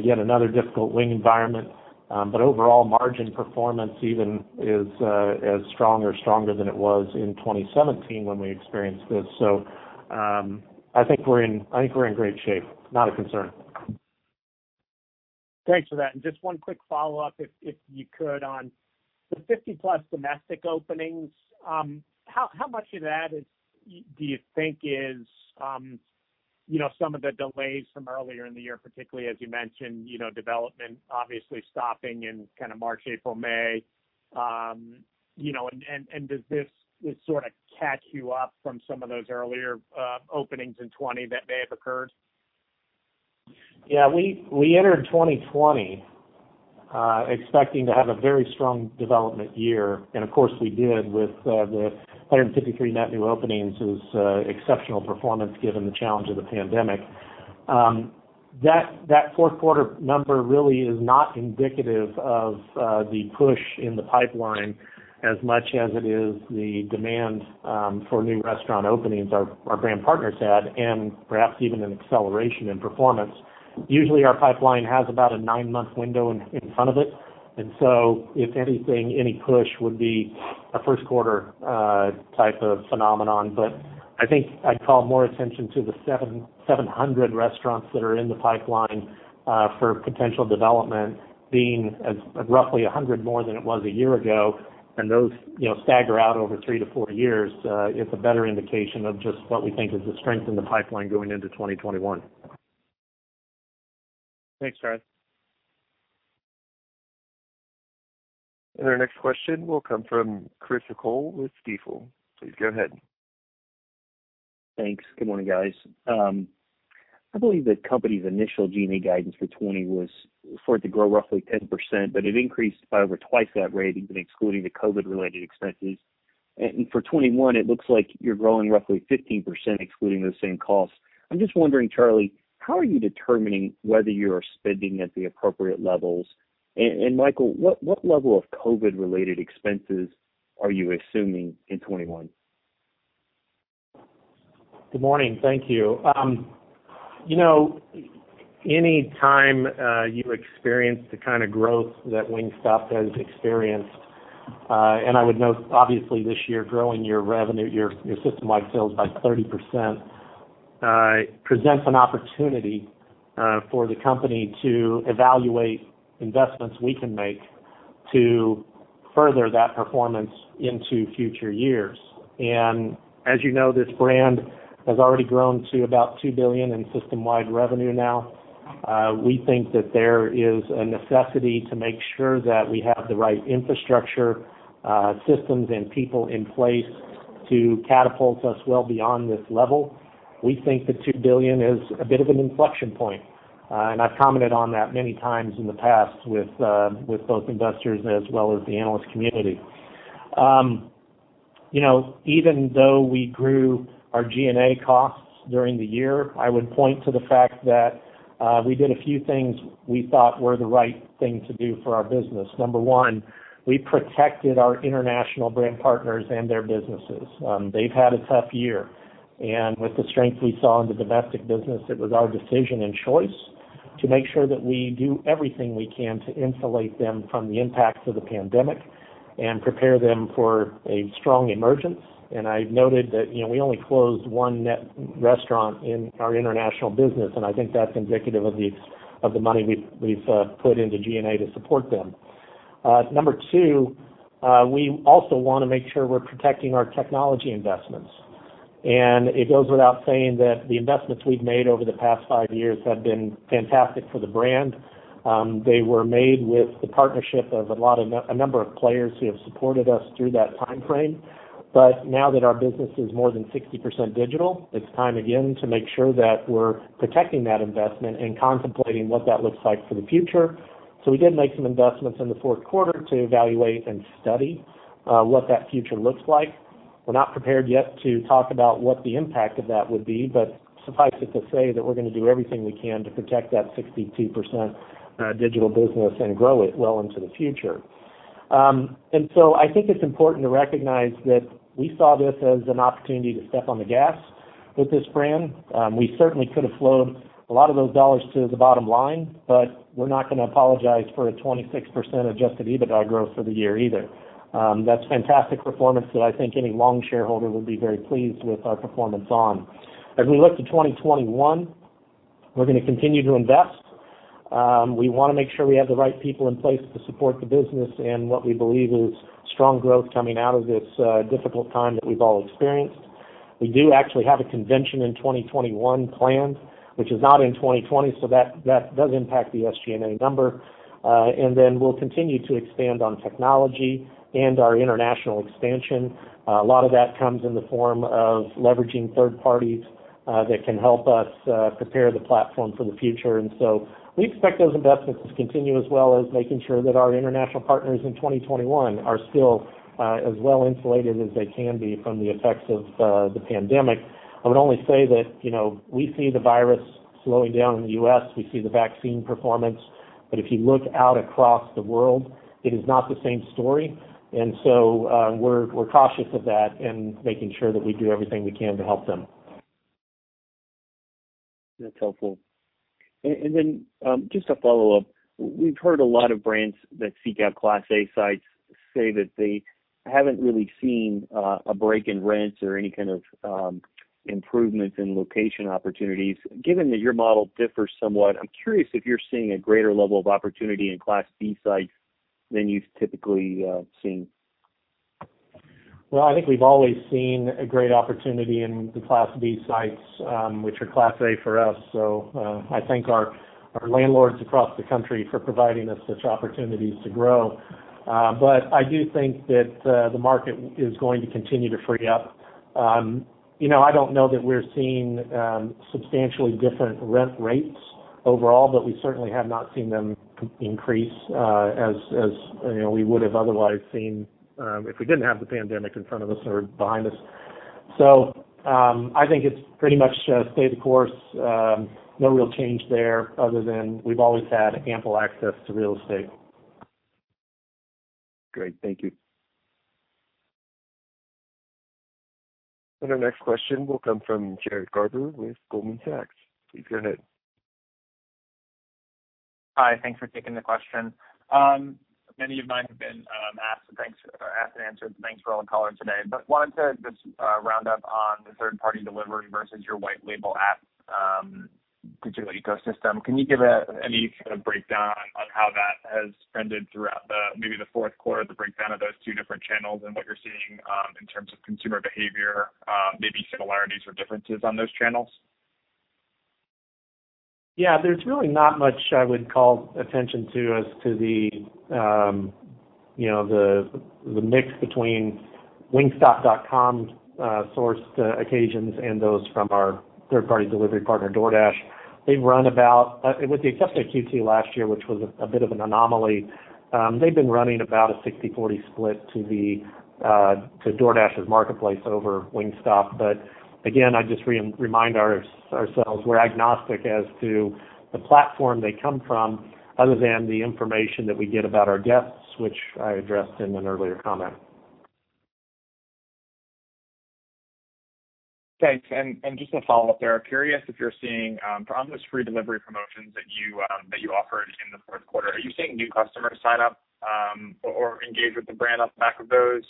Speaker 3: yet another difficult wing environment. Overall margin performance even is as strong or stronger than it was in 2017 when we experienced this. I think we're in great shape. Not a concern.
Speaker 8: Thanks for that. Just one quick follow-up, if you could, on the 50-plus domestic openings. How much of that do you think is some of the delays from earlier in the year, particularly as you mentioned, development obviously stopping in March, April, May? Does this sort of catch you up from some of those earlier openings in 2020 that may have occurred?
Speaker 3: Yeah. We entered 2020 expecting to have a very strong development year, and of course, we did with the 153 net new openings is exceptional performance given the challenge of the pandemic. That fourth quarter number really is not indicative of the push in the pipeline as much as it is the demand for new restaurant openings our brand partners had, and perhaps even an acceleration in performance. Usually, our pipeline has about a nine-month window in front of it, and so if anything, any push would be a first quarter type of phenomenon. I think I'd call more attention to the 700 restaurants that are in the pipeline for potential development being roughly 100 more than it was a year ago, and those stagger out over three to four years. It's a better indication of just what we think is the strength in the pipeline going into 2021.
Speaker 8: Thanks, guys.
Speaker 1: Our next question will come from Chris O'Cull with Stifel. Please go ahead.
Speaker 9: Thanks. Good morning, guys. I believe the company's initial G&A guidance for 2020 was for it to grow roughly 10%, but it increased by over 2x that rate, even excluding the COVID related expenses. For 2021, it looks like you're growing roughly 15%, excluding those same costs. I'm just wondering, Charlie, how are you determining whether you are spending at the appropriate levels? Michael, what level of COVID related expenses are you assuming in 2021?
Speaker 3: Good morning. Thank you. Any time you experience the kind of growth that Wingstop has experienced, I would note, obviously, this year, growing your revenue, your system-wide sales by 30%, presents an opportunity for the company to evaluate investments we can make to further that performance into future years. As you know, this brand has already grown to about $2 billion in system-wide revenue now. We think that there is a necessity to make sure that we have the right infrastructure, systems, and people in place to catapult us well beyond this level. We think that $2 billion is a bit of an inflection point, I've commented on that many times in the past with both investors as well as the analyst community. Even though we grew our G&A costs during the year, I would point to the fact that we did a few things we thought were the right thing to do for our business. Number one, we protected our international brand partners and their businesses. They've had a tough year, and with the strength we saw in the domestic business, it was our decision and choice to make sure that we do everything we can to insulate them from the impacts of the pandemic and prepare them for a strong emergence. I've noted that we only closed one net restaurant in our international business, and I think that's indicative of the money we've put into G&A to support them. Number two, we also want to make sure we're protecting our technology investments. It goes without saying that the investments we've made over the past five years have been fantastic for the brand. They were made with the partnership of a number of players who have supported us through that time frame. Now that our business is more than 60% digital, it's time again to make sure that we're protecting that investment and contemplating what that looks like for the future. We did make some investments in the fourth quarter to evaluate and study what that future looks like. We're not prepared yet to talk about what the impact of that would be, but suffice it to say that we're going to do everything we can to protect that 62% digital business and grow it well into the future. I think it's important to recognize that we saw this as an opportunity to step on the gas with this brand. We certainly could have flowed a lot of those dollars to the bottom line, but we're not going to apologize for a 26% adjusted EBITDA growth for the year either. That's fantastic performance that I think any long shareholder will be very pleased with our performance on. As we look to 2021, we're going to continue to invest. We want to make sure we have the right people in place to support the business and what we believe is strong growth coming out of this difficult time that we've all experienced. We do actually have a convention in 2021 planned, which is not in 2020, so that does impact the SG&A number. We'll continue to expand on technology and our international expansion. A lot of that comes in the form of leveraging third parties that can help us prepare the platform for the future. We expect those investments to continue as well as making sure that our international partners in 2021 are still as well insulated as they can be from the effects of the pandemic. I would only say that we see the virus slowing down in the U.S., we see the vaccine performance. If you look out across the world, it is not the same story. We're cautious of that and making sure that we do everything we can to help them.
Speaker 9: That's helpful. Then just a follow-up. We've heard a lot of brands that seek out Class A sites say that they haven't really seen a break in rents or any kind of improvements in location opportunities. Given that your model differs somewhat, I'm curious if you're seeing a greater level of opportunity in Class B sites than you've typically seen.
Speaker 3: I think we've always seen a great opportunity in the Class B sites, which are Class A for us. I thank our landlords across the country for providing us such opportunities to grow. I do think that the market is going to continue to free up. I don't know that we're seeing substantially different rent rates overall, but we certainly have not seen them increase as we would have otherwise seen if we didn't have the pandemic in front of us or behind us. I think it's pretty much stay the course. No real change there other than we've always had ample access to real estate.
Speaker 9: Great. Thank you.
Speaker 1: Our next question will come from Jared Garber with Goldman Sachs. Please go ahead.
Speaker 10: Hi. Thanks for taking the question. Many of mine have been asked and answered, so thanks for all the color today. Wanted to just round up on the third-party delivery versus your white label app digital ecosystem. Can you give any kind of breakdown on how that has trended throughout maybe the fourth quarter, the breakdown of those two different channels and what you're seeing in terms of consumer behavior, maybe similarities or differences on those channels?
Speaker 3: Yeah, there's really not much I would call attention to as to the mix between wingstop.com sourced occasions and those from our third-party delivery partner, DoorDash. With the exception of Q2 last year, which was a bit of an anomaly, they've been running about a 60/40 split to DoorDash's marketplace over Wingstop. Again, I just remind ourselves we're agnostic as to the platform they come from other than the information that we get about our guests, which I addressed in an earlier comment.
Speaker 10: Thanks. Just a follow-up there. Curious if you're seeing, for almost free delivery promotions that you offered in the fourth quarter, are you seeing new customers sign up or engage with the brand off the back of those,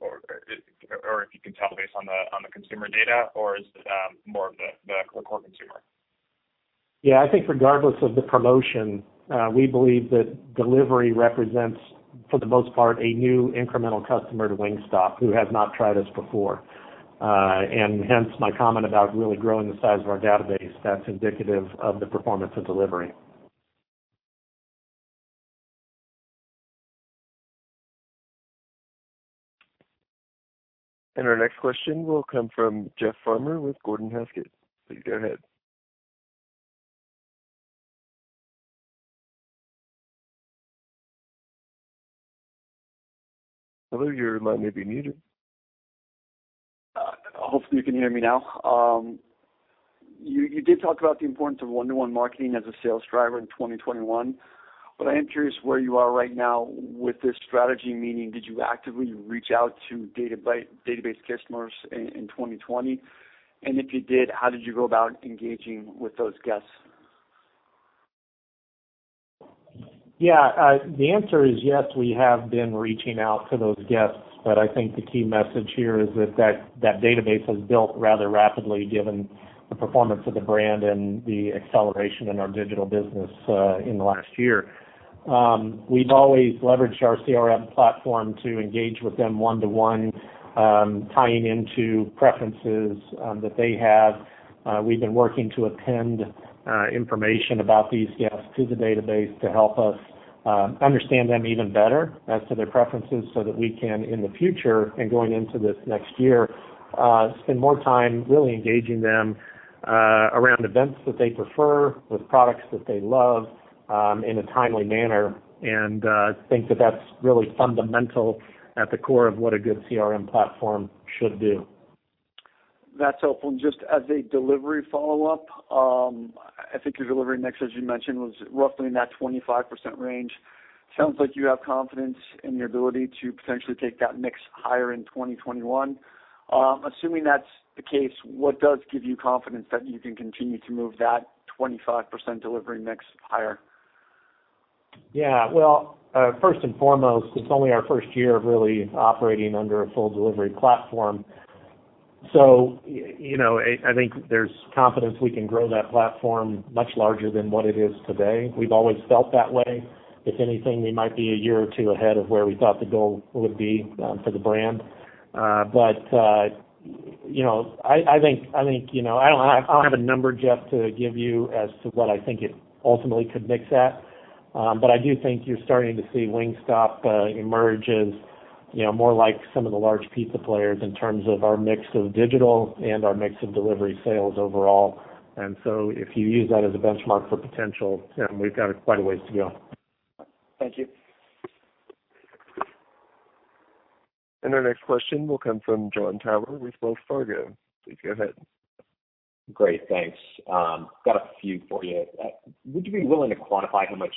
Speaker 10: or if you can tell based on the consumer data, or is it more of the core consumer?
Speaker 3: Yeah, I think regardless of the promotion, we believe that delivery represents, for the most part, a new incremental customer to Wingstop who has not tried us before. Hence my comment about really growing the size of our database that's indicative of the performance of delivery.
Speaker 1: Our next question will come from Jeff Farmer with Gordon Haskett. Please go ahead. Hello, your line may be muted.
Speaker 11: Hopefully you can hear me now. You did talk about the importance of one-to-one marketing as a sales driver in 2021, but I am curious where you are right now with this strategy. Meaning, did you actively reach out to database customers in 2020? If you did, how did you go about engaging with those guests?
Speaker 3: Yeah. The answer is yes, we have been reaching out to those guests, but I think the key message here is that database was built rather rapidly given the performance of the brand and the acceleration in our digital business in the last year. We've always leveraged our CRM platform to engage with them one-to-one, tying into preferences that they have. We've been working to append information about these guests to the database to help us understand them even better as to their preferences so that we can, in the future and going into this next year, spend more time really engaging them around events that they prefer with products that they love in a timely manner, and think that that's really fundamental at the core of what a good CRM platform should do.
Speaker 11: That's helpful. Just as a delivery follow-up, I think your delivery mix, as you mentioned, was roughly in that 25% range. Sounds like you have confidence in the ability to potentially take that mix higher in 2021. Assuming that's the case, what does give you confidence that you can continue to move that 25% delivery mix higher?
Speaker 3: Yeah. Well, first and foremost, it's only our first year of really operating under a full delivery platform. I think there's confidence we can grow that platform much larger than what it is today. We've always felt that way. If anything, we might be a year or two ahead of where we thought the goal would be for the brand. I don't have a number, Jeff, to give you as to what I think it ultimately could mix at. I do think you're starting to see Wingstop emerge as more like some of the large pizza players in terms of our mix of digital and our mix of delivery sales overall. If you use that as a benchmark for potential, we've got quite a ways to go.
Speaker 11: Thank you.
Speaker 1: Our next question will come from Jon Tower with Wells Fargo. Please go ahead.
Speaker 12: Great. Thanks. Got a few for you. Would you be willing to quantify how much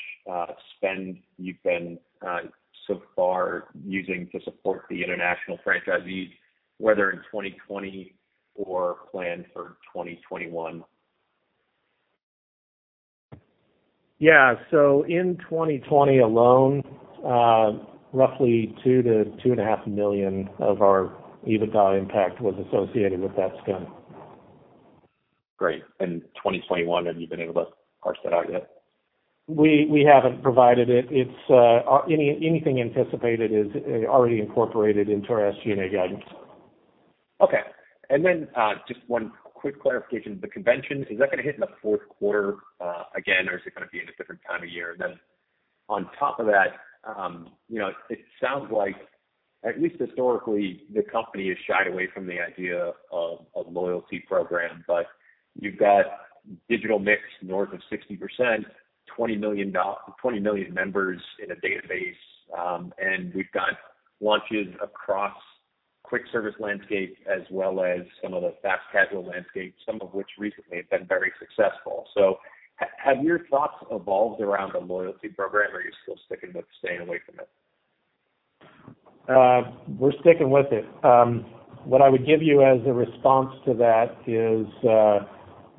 Speaker 12: spend you've been so far using to support the international franchisees, whether in 2020 or planned for 2021?
Speaker 3: Yeah. In 2020 alone, roughly $2 million-$2.5 million of our EBITDA impact was associated with that spend.
Speaker 12: Great. In 2021, have you been able to parse that out yet?
Speaker 3: We haven't provided it. Anything anticipated is already incorporated into our SG&A guidance.
Speaker 12: Okay. Then, just one quick clarification. The conventions, is that going to hit in the fourth quarter again, or is it going to be in a different time of year? Then on top of that, it sounds like, at least historically, the company has shied away from the idea of a loyalty program, but you've got digital mix north of 60%, 20 million members in a database, and we've got launches across quick service landscape as well as some of the fast casual landscape, some of which recently have been very successful. Have your thoughts evolved around a loyalty program, or are you still sticking with staying away from it?
Speaker 3: We're sticking with it. What I would give you as a response to that is,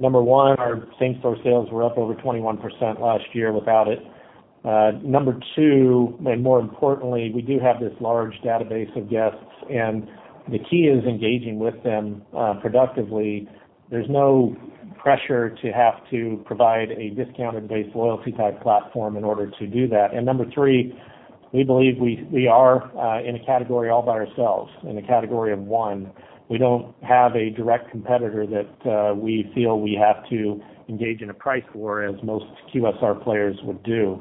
Speaker 3: number one, our same-store sales were up over 21% last year without it. Number two, and more importantly, we do have this large database of guests, and the key is engaging with them productively. There's no pressure to have to provide a discounted-based loyalty type platform in order to do that. Number three, we believe we are in a category all by ourselves, in a category of one. We don't have a direct competitor that we feel we have to engage in a price war as most QSR players would do.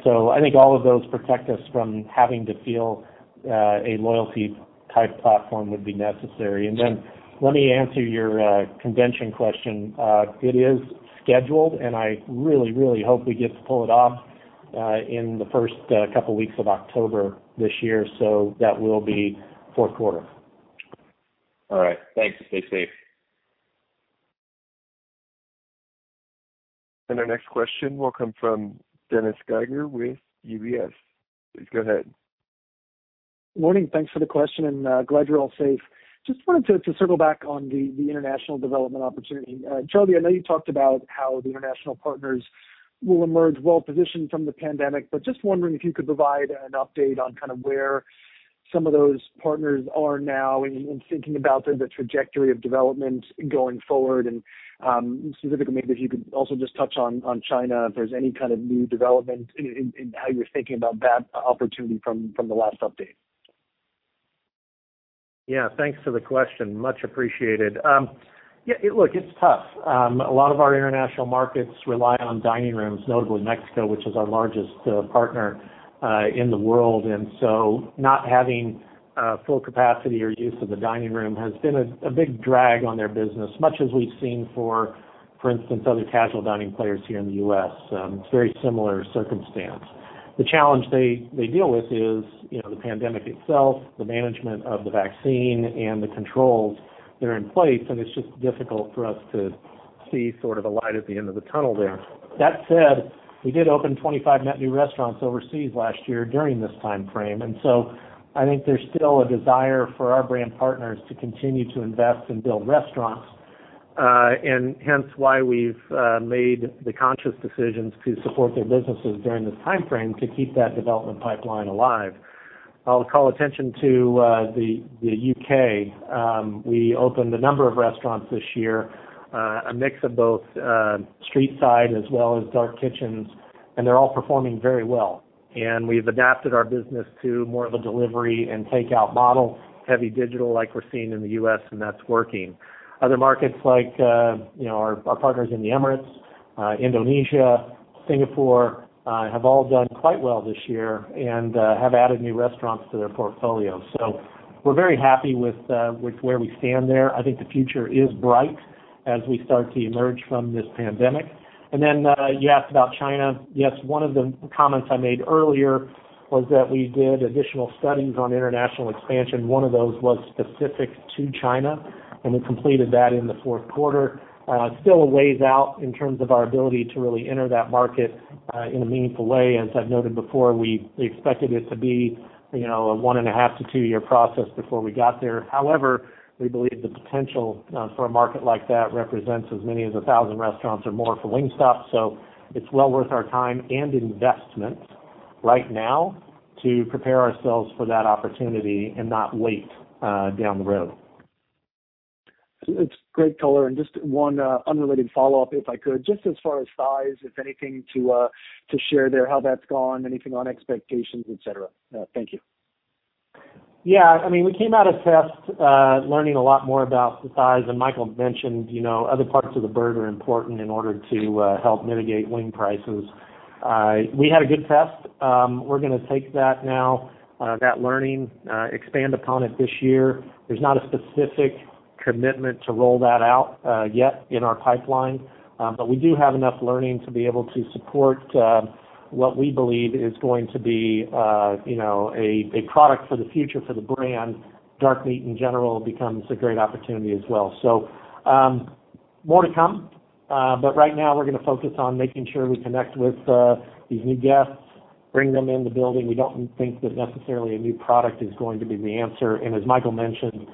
Speaker 3: I think all of those protect us from having to feel a loyalty type platform would be necessary. Then let me answer your convention question. It is scheduled, and I really hope we get to pull it off in the first couple of weeks of October this year. That will be fourth quarter.
Speaker 12: All right. Thanks. Stay safe.
Speaker 1: Our next question will come from Dennis Geiger with UBS. Please go ahead.
Speaker 13: Morning. Thanks for the question, glad you're all safe. Just wanted to circle back on the international development opportunity. Charlie, I know you talked about how the international partners will emerge well-positioned from the pandemic, just wondering if you could provide an update on where some of those partners are now in thinking about the trajectory of development going forward and specifically maybe if you could also just touch on China, if there's any kind of new development in how you're thinking about that opportunity from the last update.
Speaker 3: Yeah. Thanks for the question. Much appreciated. Yeah, look, it's tough. A lot of our international markets rely on dining rooms, notably Mexico, which is our largest partner in the world. Not having full capacity or use of the dining room has been a big drag on their business, much as we've seen for instance, other casual dining players here in the U.S. It's a very similar circumstance. The challenge they deal with is the pandemic itself, the management of the vaccine, and the controls that are in place, and it's just difficult for us to see a light at the end of the tunnel there. That said, we did open 25 net new restaurants overseas last year during this timeframe. I think there's still a desire for our brand partners to continue to invest and build restaurants, and hence why we've made the conscious decisions to support their businesses during this timeframe to keep that development pipeline alive. I'll call attention to the U.K. We opened a number of restaurants this year, a mix of both street-side as well as dark kitchens, and they're all performing very well. We've adapted our business to more of a delivery and takeout model, heavy digital like we're seeing in the U.S., and that's working. Other markets like our partners in the Emirates, Indonesia, Singapore, have all done quite well this year and have added new restaurants to their portfolio. We're very happy with where we stand there. I think the future is bright as we start to emerge from this pandemic. Then you asked about China. Yes, one of the comments I made earlier was that we did additional studies on international expansion. One of those was specific to China, and we completed that in the fourth quarter. Still a ways out in terms of our ability to really enter that market in a meaningful way. As I've noted before, we expected it to be a one and a half to two-year process before we got there. However, we believe the potential for a market like that represents as many as 1,000 restaurants or more for Wingstop. It's well worth our time and investment right now to prepare ourselves for that opportunity and not wait down the road.
Speaker 13: It's great color. Just one unrelated follow-up, if I could. Just as far as thighs, if anything to share there how that's gone, anything on expectations, et cetera. Thank you.
Speaker 3: Yeah, we came out of test learning a lot more about the thighs. Michael mentioned other parts of the bird are important in order to help mitigate wing prices. We had a good test. We're going to take that now, that learning, expand upon it this year. There's not a specific commitment to roll that out yet in our pipeline. We do have enough learning to be able to support what we believe is going to be a product for the future for the brand. Dark meat in general becomes a great opportunity as well. More to come. Right now, we're going to focus on making sure we connect with these new guests, bring them in the building. We don't think that necessarily a new product is going to be the answer. As Michael mentioned,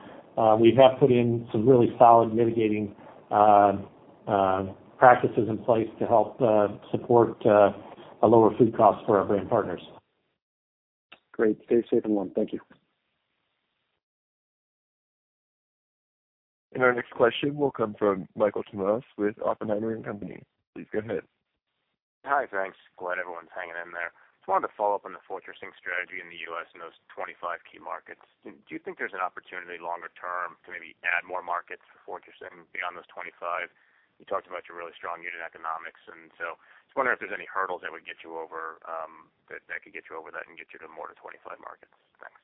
Speaker 3: we have put in some really solid mitigating practices in place to help support a lower food cost for our brand partners.
Speaker 13: Great. Stay safe everyone. Thank you.
Speaker 1: Our next question will come from Michael Tamas with Oppenheimer & Company. Please go ahead.
Speaker 14: Hi. Thanks. Glad everyone's hanging in there. Just wanted to follow up on the fortressing strategy in the U.S. in those 25 key markets. Do you think there's an opportunity longer term to maybe add more markets for fortressing beyond those 25? You talked about your really strong unit economics. I was wondering if there's any hurdles that could get you over that and get you to more to 25 markets. Thanks.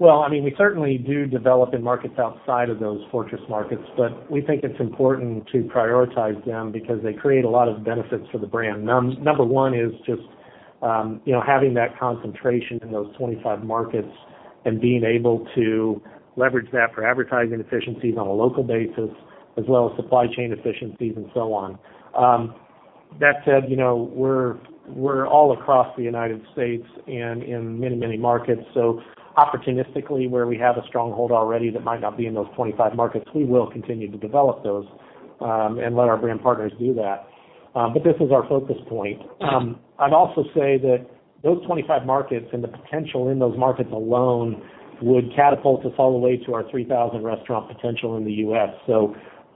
Speaker 3: We certainly do develop in markets outside of those fortress markets, but we think it's important to prioritize them because they create a lot of benefits for the brand. Number one is just having that concentration in those 25 markets and being able to leverage that for advertising efficiencies on a local basis as well as supply chain efficiencies and so on. That said, we're all across the United States and in many markets. Opportunistically, where we have a stronghold already that might not be in those 25 markets, we will continue to develop those, and let our brand partners do that. This is our focus point. I'd also say that those 25 markets and the potential in those markets alone would catapult us all the way to our 3,000 restaurant potential in the U.S. It's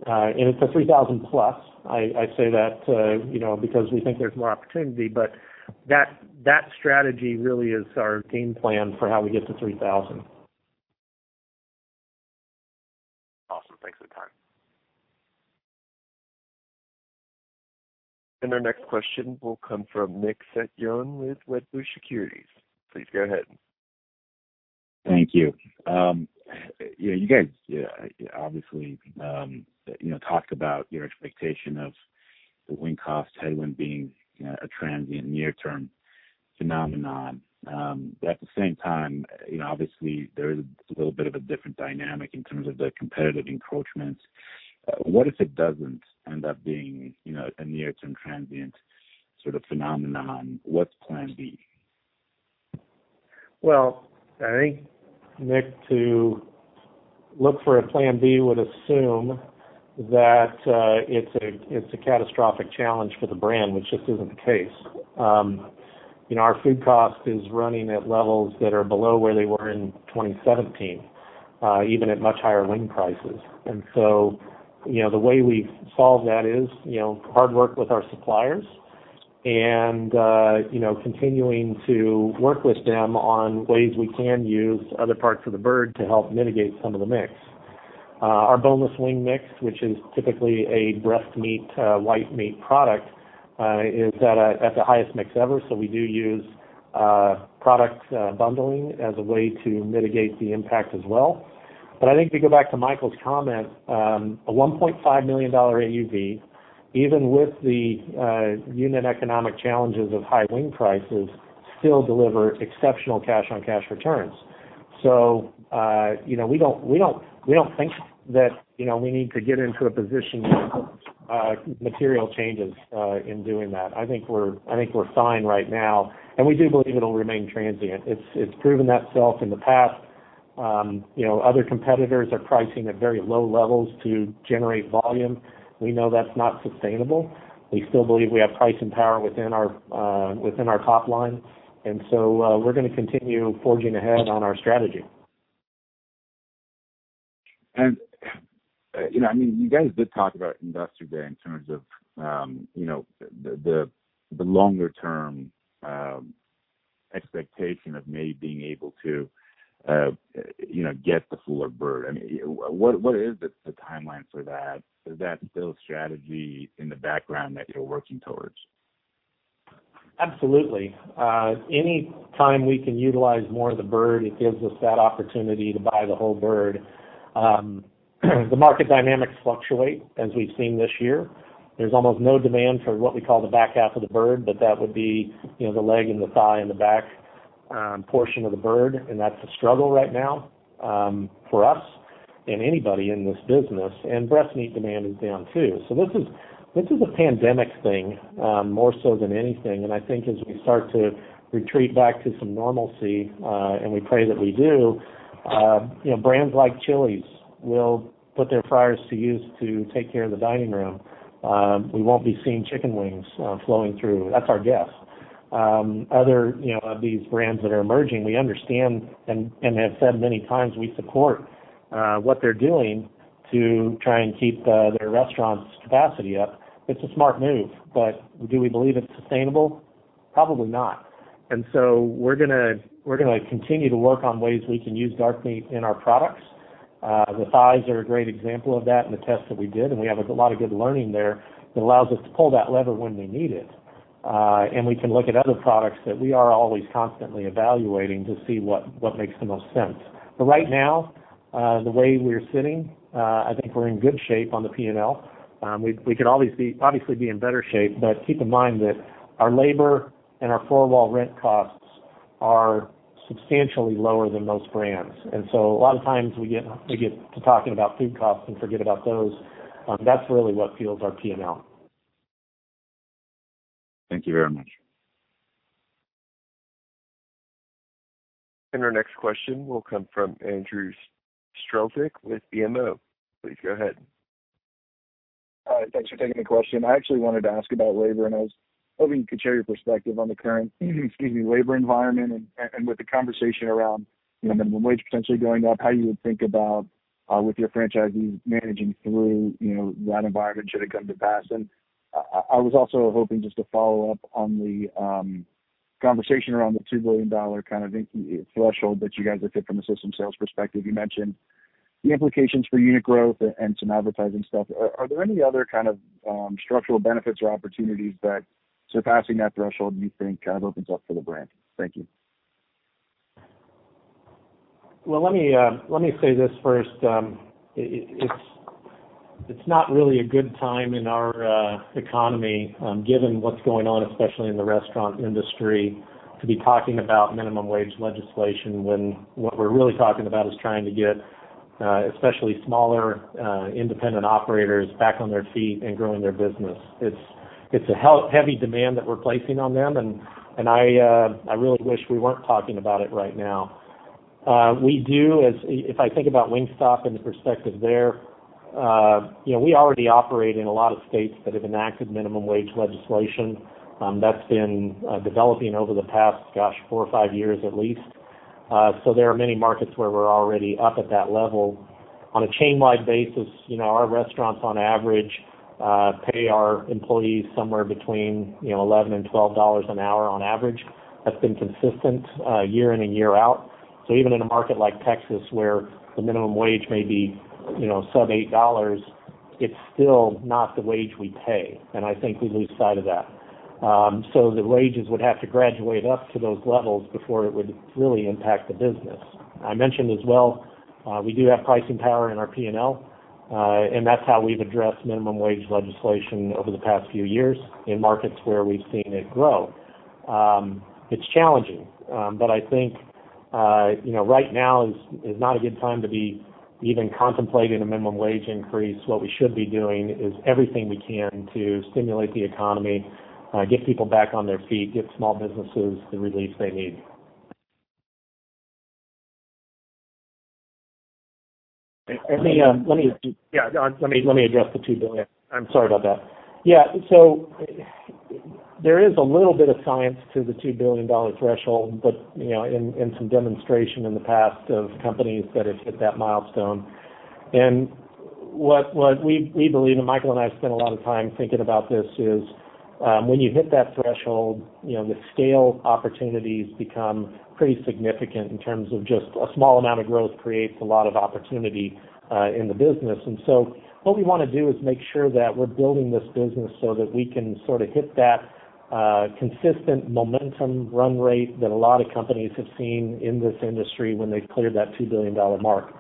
Speaker 3: a 3,000 plus. I say that because we think there's more opportunity, but that strategy really is our game plan for how we get to 3,000.
Speaker 14: Awesome. Thanks for the time.
Speaker 1: Our next question will come from Nick Setyan with Wedbush Securities. Please go ahead.
Speaker 15: Thank you. You guys obviously talked about your expectation of the wing cost headwind being a transient near-term phenomenon. At the same time, obviously, there is a little bit of a different dynamic in terms of the competitive encroachment. What if it doesn't end up being a near-term transient sort of phenomenon? What's plan B?
Speaker 3: I think, Nick, to look for a plan B would assume that it's a catastrophic challenge for the brand, which just isn't the case. Our food cost is running at levels that are below where they were in 2017, even at much higher wing prices. The way we solve that is hard work with our suppliers and continuing to work with them on ways we can use other parts of the bird to help mitigate some of the mix. Our boneless wing mix, which is typically a breast meat, white meat product, is at the highest mix ever, so we do use product bundling as a way to mitigate the impact as well. I think if you go back to Michael's comment, a $1.5 million AUV, even with the unit economic challenges of high wing prices, still deliver exceptional cash on cash returns. We don't think that we need to get into a position of material changes in doing that. I think we're fine right now, and we do believe it'll remain transient. It's proven that self in the past. Other competitors are pricing at very low levels to generate volume. We know that's not sustainable. We still believe we have pricing power within our top line. We're going to continue forging ahead on our strategy.
Speaker 15: You guys did talk about Investor Day in terms of the longer-term expectation of maybe being able to get the fuller bird. What is the timeline for that? Is that still a strategy in the background that you're working towards?
Speaker 3: Absolutely. Any time we can utilize more of the bird, it gives us that opportunity to buy the whole bird. The market dynamics fluctuate, as we've seen this year. There's almost no demand for what we call the back half of the bird, but that would be the leg and the thigh and the back portion of the bird, and that's a struggle right now for us and anybody in this business. Breast meat demand is down, too. This is a pandemic thing more so than anything, and I think as we start to retreat back to some normalcy, and we pray that we do, brands like Chili's will put their fryers to use to take care of the dining room. We won't be seeing chicken wings flowing through. That's our guess. Other of these brands that are emerging, we understand and have said many times we support what they're doing to try and keep their restaurants' capacity up. It's a smart move, but do we believe it's sustainable? Probably not. We're going to continue to work on ways we can use dark meat in our products. The thighs are a great example of that in the tests that we did, and we have a lot of good learning there that allows us to pull that lever when we need it. We can look at other products that we are always constantly evaluating to see what makes the most sense. Right now, the way we're sitting, I think we're in good shape on the P&L. We could obviously be in better shape, but keep in mind that our labor and our four-wall rent costs are substantially lower than most brands. A lot of times we get to talking about food costs and forget about those. That's really what fuels our P&L.
Speaker 15: Thank you very much.
Speaker 1: Our next question will come from Andrew Strelzik with BMO. Please go ahead.
Speaker 16: Thanks for taking the question. I actually wanted to ask about labor, and I was hoping you could share your perspective on the current, excuse me, labor environment and with the conversation around minimum wage potentially going up, how you would think about with your franchisees managing through that environment should it come to pass. I was also hoping just to follow up on the conversation around the $2 billion kind of threshold that you guys have hit from a system sales perspective. You mentioned the implications for unit growth and some advertising stuff. Are there any other kind of structural benefits or opportunities that surpassing that threshold you think kind of opens up for the brand? Thank you.
Speaker 3: Well, let me say this first. It's not really a good time in our economy, given what's going on, especially in the restaurant industry, to be talking about minimum wage legislation when what we're really talking about is trying to get especially smaller, independent operators back on their feet and growing their business. It's a heavy demand that we're placing on them, and I really wish we weren't talking about it right now. If I think about Wingstop and the perspective there, we already operate in a lot of states that have enacted minimum wage legislation. That's been developing over the past, gosh, four or five years at least. There are many markets where we're already up at that level. On a chain-wide basis, our restaurants, on average, pay our employees somewhere between $11 and $12 an hour on average. That's been consistent year in and year out. Even in a market like Texas, where the minimum wage may be sub-$8, it's still not the wage we pay, and I think we lose sight of that. The wages would have to graduate up to those levels before it would really impact the business. I mentioned as well, we do have pricing power in our P&L, and that's how we've addressed minimum wage legislation over the past few years in markets where we've seen it grow. It's challenging. I think, right now is not a good time to be even contemplating a minimum wage increase. What we should be doing is everything we can to stimulate the economy, get people back on their feet, get small businesses the relief they need. Let me address the $2 billion. I'm sorry about that. Yeah. There is a little bit of science to the $2 billion threshold, but in some demonstration in the past of companies that have hit that milestone. What we believe, and Michael and I have spent a lot of time thinking about this, is when you hit that threshold, the scale opportunities become pretty significant in terms of just a small amount of growth creates a lot of opportunity in the business. What we want to do is make sure that we're building this business so that we can sort of hit that consistent momentum run rate that a lot of companies have seen in this industry when they've cleared that $2 billion mark.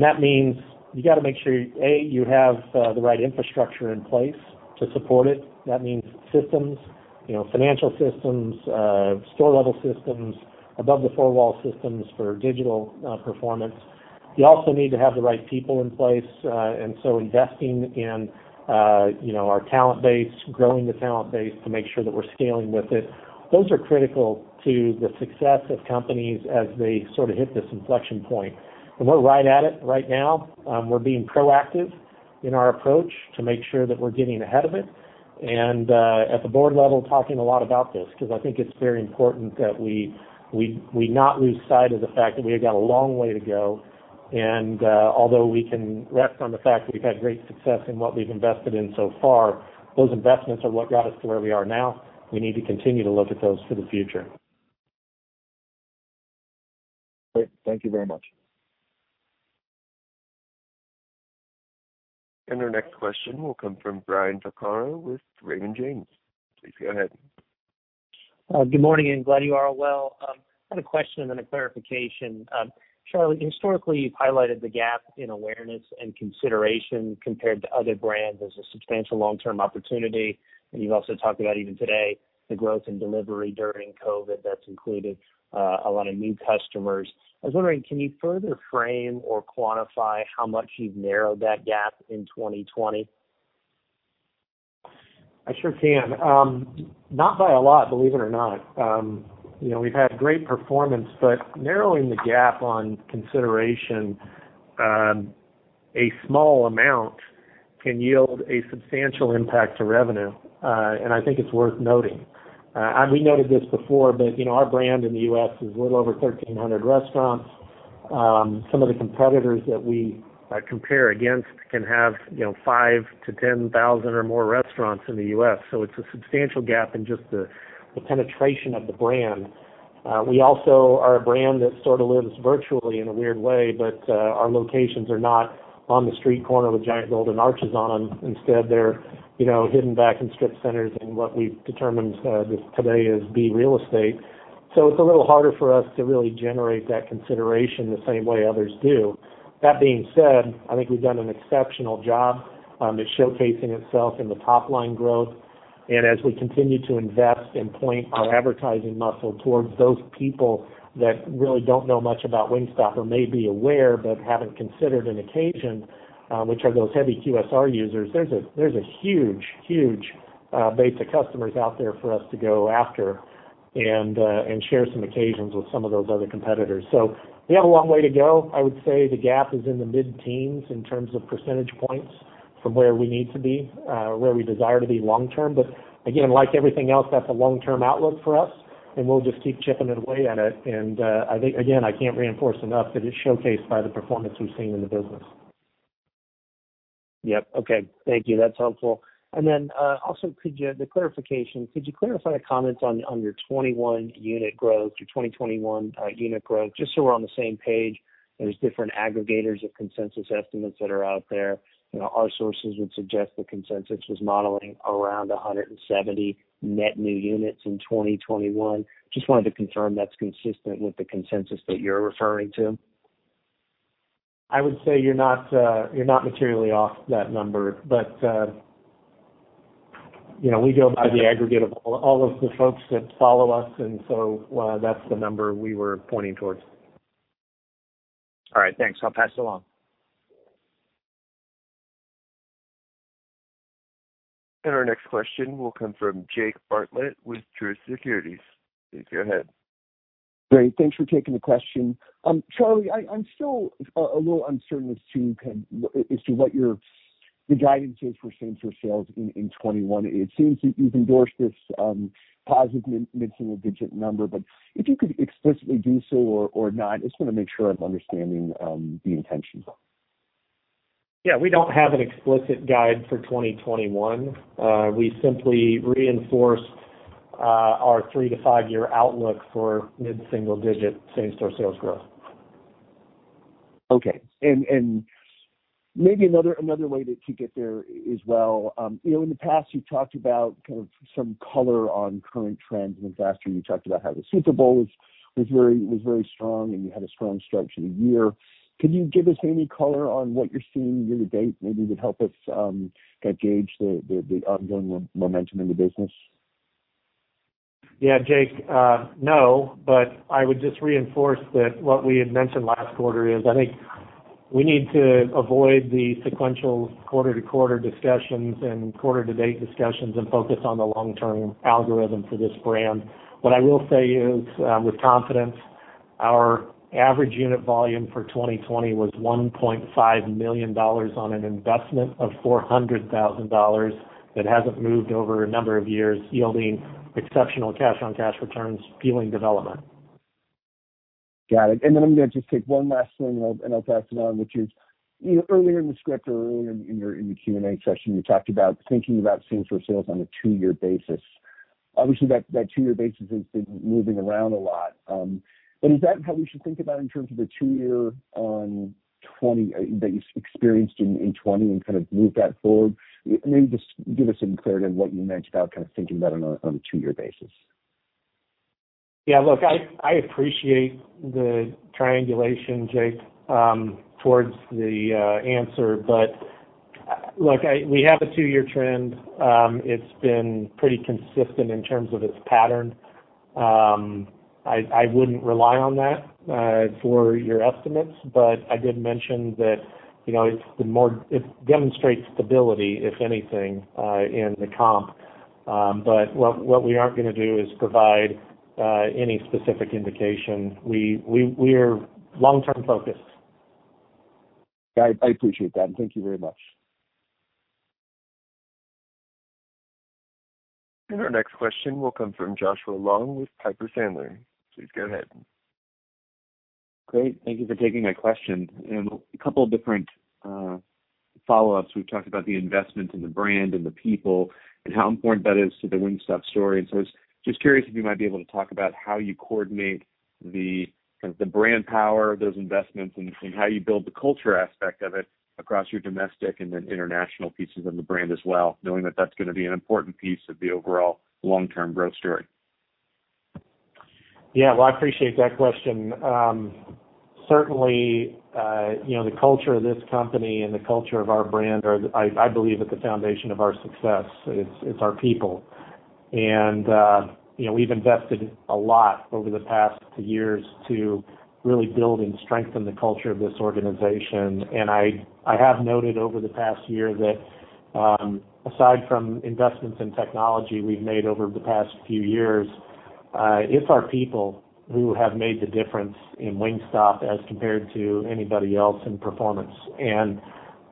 Speaker 3: That means you got to make sure, A, you have the right infrastructure in place to support it. That means systems, financial systems, store-level systems, above the four-wall systems for digital performance. You also need to have the right people in place. Investing in our talent base, growing the talent base to make sure that we're scaling with it. Those are critical to the success of companies as they sort of hit this inflection point. We're right at it right now. We're being proactive in our approach to make sure that we're getting ahead of it. At the board level, talking a lot about this, because I think it's very important that we not lose sight of the fact that we have got a long way to go. Although we can rest on the fact that we've had great success in what we've invested in so far, those investments are what got us to where we are now. We need to continue to look at those for the future.
Speaker 16: Great. Thank you very much.
Speaker 1: Our next question will come from Brian Tuker with Raymond James. Please go ahead.
Speaker 17: Good morning, and glad you are well. I had a question and then a clarification. Charlie, historically, you've highlighted the gap in awareness and consideration compared to other brands as a substantial long-term opportunity. You've also talked about, even today, the growth in delivery during COVID that's included a lot of new customers. I was wondering, can you further frame or quantify how much you've narrowed that gap in 2020?
Speaker 3: I sure can. Not by a lot, believe it or not. We've had great performance, narrowing the gap on consideration, a small amount can yield a substantial impact to revenue. I think it's worth noting. We noted this before, our brand in the U.S. is a little over 1,300 restaurants. Some of the competitors that we compare against can have 5,000 to 10,000 or more restaurants in the U.S. It's a substantial gap in just the penetration of the brand. We also are a brand that sort of lives virtually in a weird way, our locations are not on the street corner with giant golden arches on them. Instead, they're hidden back in strip centers in what we've determined today as B real estate. It's a little harder for us to really generate that consideration the same way others do. That being said, I think we've done an exceptional job. It's showcasing itself in the top-line growth. As we continue to invest and point our advertising muscle towards those people that really don't know much about Wingstop or may be aware but haven't considered an occasion, which are those heavy QSR users, there's a huge base of customers out there for us to go after and share some occasions with some of those other competitors. We have a long way to go. I would say the gap is in the mid-teens in terms of percentage points from where we need to be, where we desire to be long term. Again, like everything else, that's a long-term outlook for us, and we'll just keep chipping away at it. I think, again, I can't reinforce enough that it's showcased by the performance we've seen in the business.
Speaker 17: Yep. Okay. Thank you. That's helpful. Also the clarification, could you clarify the comments on your 2021 unit growth, just so we're on the same page? There's different aggregators of consensus estimates that are out there. Our sources would suggest the consensus was modeling around 170 net new units in 2021. Just wanted to confirm that's consistent with the consensus that you're referring to.
Speaker 3: I would say you're not materially off that number, but we go by the aggregate of all of the folks that follow us, and so that's the number we were pointing towards.
Speaker 17: All right, thanks. I'll pass it along.
Speaker 1: Our next question will come from Jake Bartlett with Truist Securities. Please go ahead.
Speaker 18: Great. Thanks for taking the question. Charlie, I'm still a little uncertain as to what the guidance is for same-store sales in 2021. It seems that you've endorsed this positive mid-single-digit number. If you could explicitly do so or not, just want to make sure I'm understanding the intention.
Speaker 3: Yeah, we don't have an explicit guide for 2021. We simply reinforced our three to five-year outlook for mid-single digit same-store sales growth.
Speaker 18: Okay. Maybe another way to get there is, in the past you talked about some color on current trends, and in the past for you talked about how the Super Bowl was very strong, and you had a strong stretch of the year. Could you give us any color on what you're seeing year to date, maybe would help us kind of gauge the ongoing momentum in the business?
Speaker 3: Yeah, Jake, no, I would just reinforce that what we had mentioned last quarter is, I think we need to avoid the sequential quarter-to-quarter discussions and quarter-to-date discussions and focus on the long-term algorithm for this brand. What I will say is, with confidence, our average unit volume for 2020 was $1.5 million on an investment of $400,000 that hasn't moved over a number of years, yielding exceptional cash on cash returns, fueling development.
Speaker 18: Got it. I'm going to just take one last swing, and I'll pass it on, which is, earlier in the script or earlier in the Q&A session, you talked about thinking about same-store sales on a two-year basis. Obviously that two-year basis has been moving around a lot. Is that how we should think about in terms of the two-year that you experienced in 2020 and kind of move that forward? Maybe just give us some clarity on what you meant about thinking about it on a two-year basis.
Speaker 3: Yeah. Look, I appreciate the triangulation, Jake, towards the answer, but look, we have a two-year trend. It's been pretty consistent in terms of its pattern. I wouldn't rely on that for your estimates, but I did mention that it demonstrates stability, if anything, in the comp. What we aren't going to do is provide any specific indication. We're long-term focused.
Speaker 18: I appreciate that. Thank you very much.
Speaker 1: Our next question will come from Joshua Long with Piper Sandler. Please go ahead.
Speaker 19: Great. Thank you for taking my question. A couple of different follow-ups. We've talked about the investment in the brand and the people, and how important that is to the Wingstop story. I was just curious if you might be able to talk about how you coordinate the brand power of those investments, and how you build the culture aspect of it across your domestic and then international pieces of the brand as well, knowing that that's going to be an important piece of the overall long-term growth story.
Speaker 3: Yeah. Well, I appreciate that question. Certainly, the culture of this company and the culture of our brand are, I believe, at the foundation of our success. It's our people. We've invested a lot over the past years to really build and strengthen the culture of this organization. I have noted over the past year that aside from investments in technology we've made over the past few years, it's our people who have made the difference in Wingstop as compared to anybody else in performance.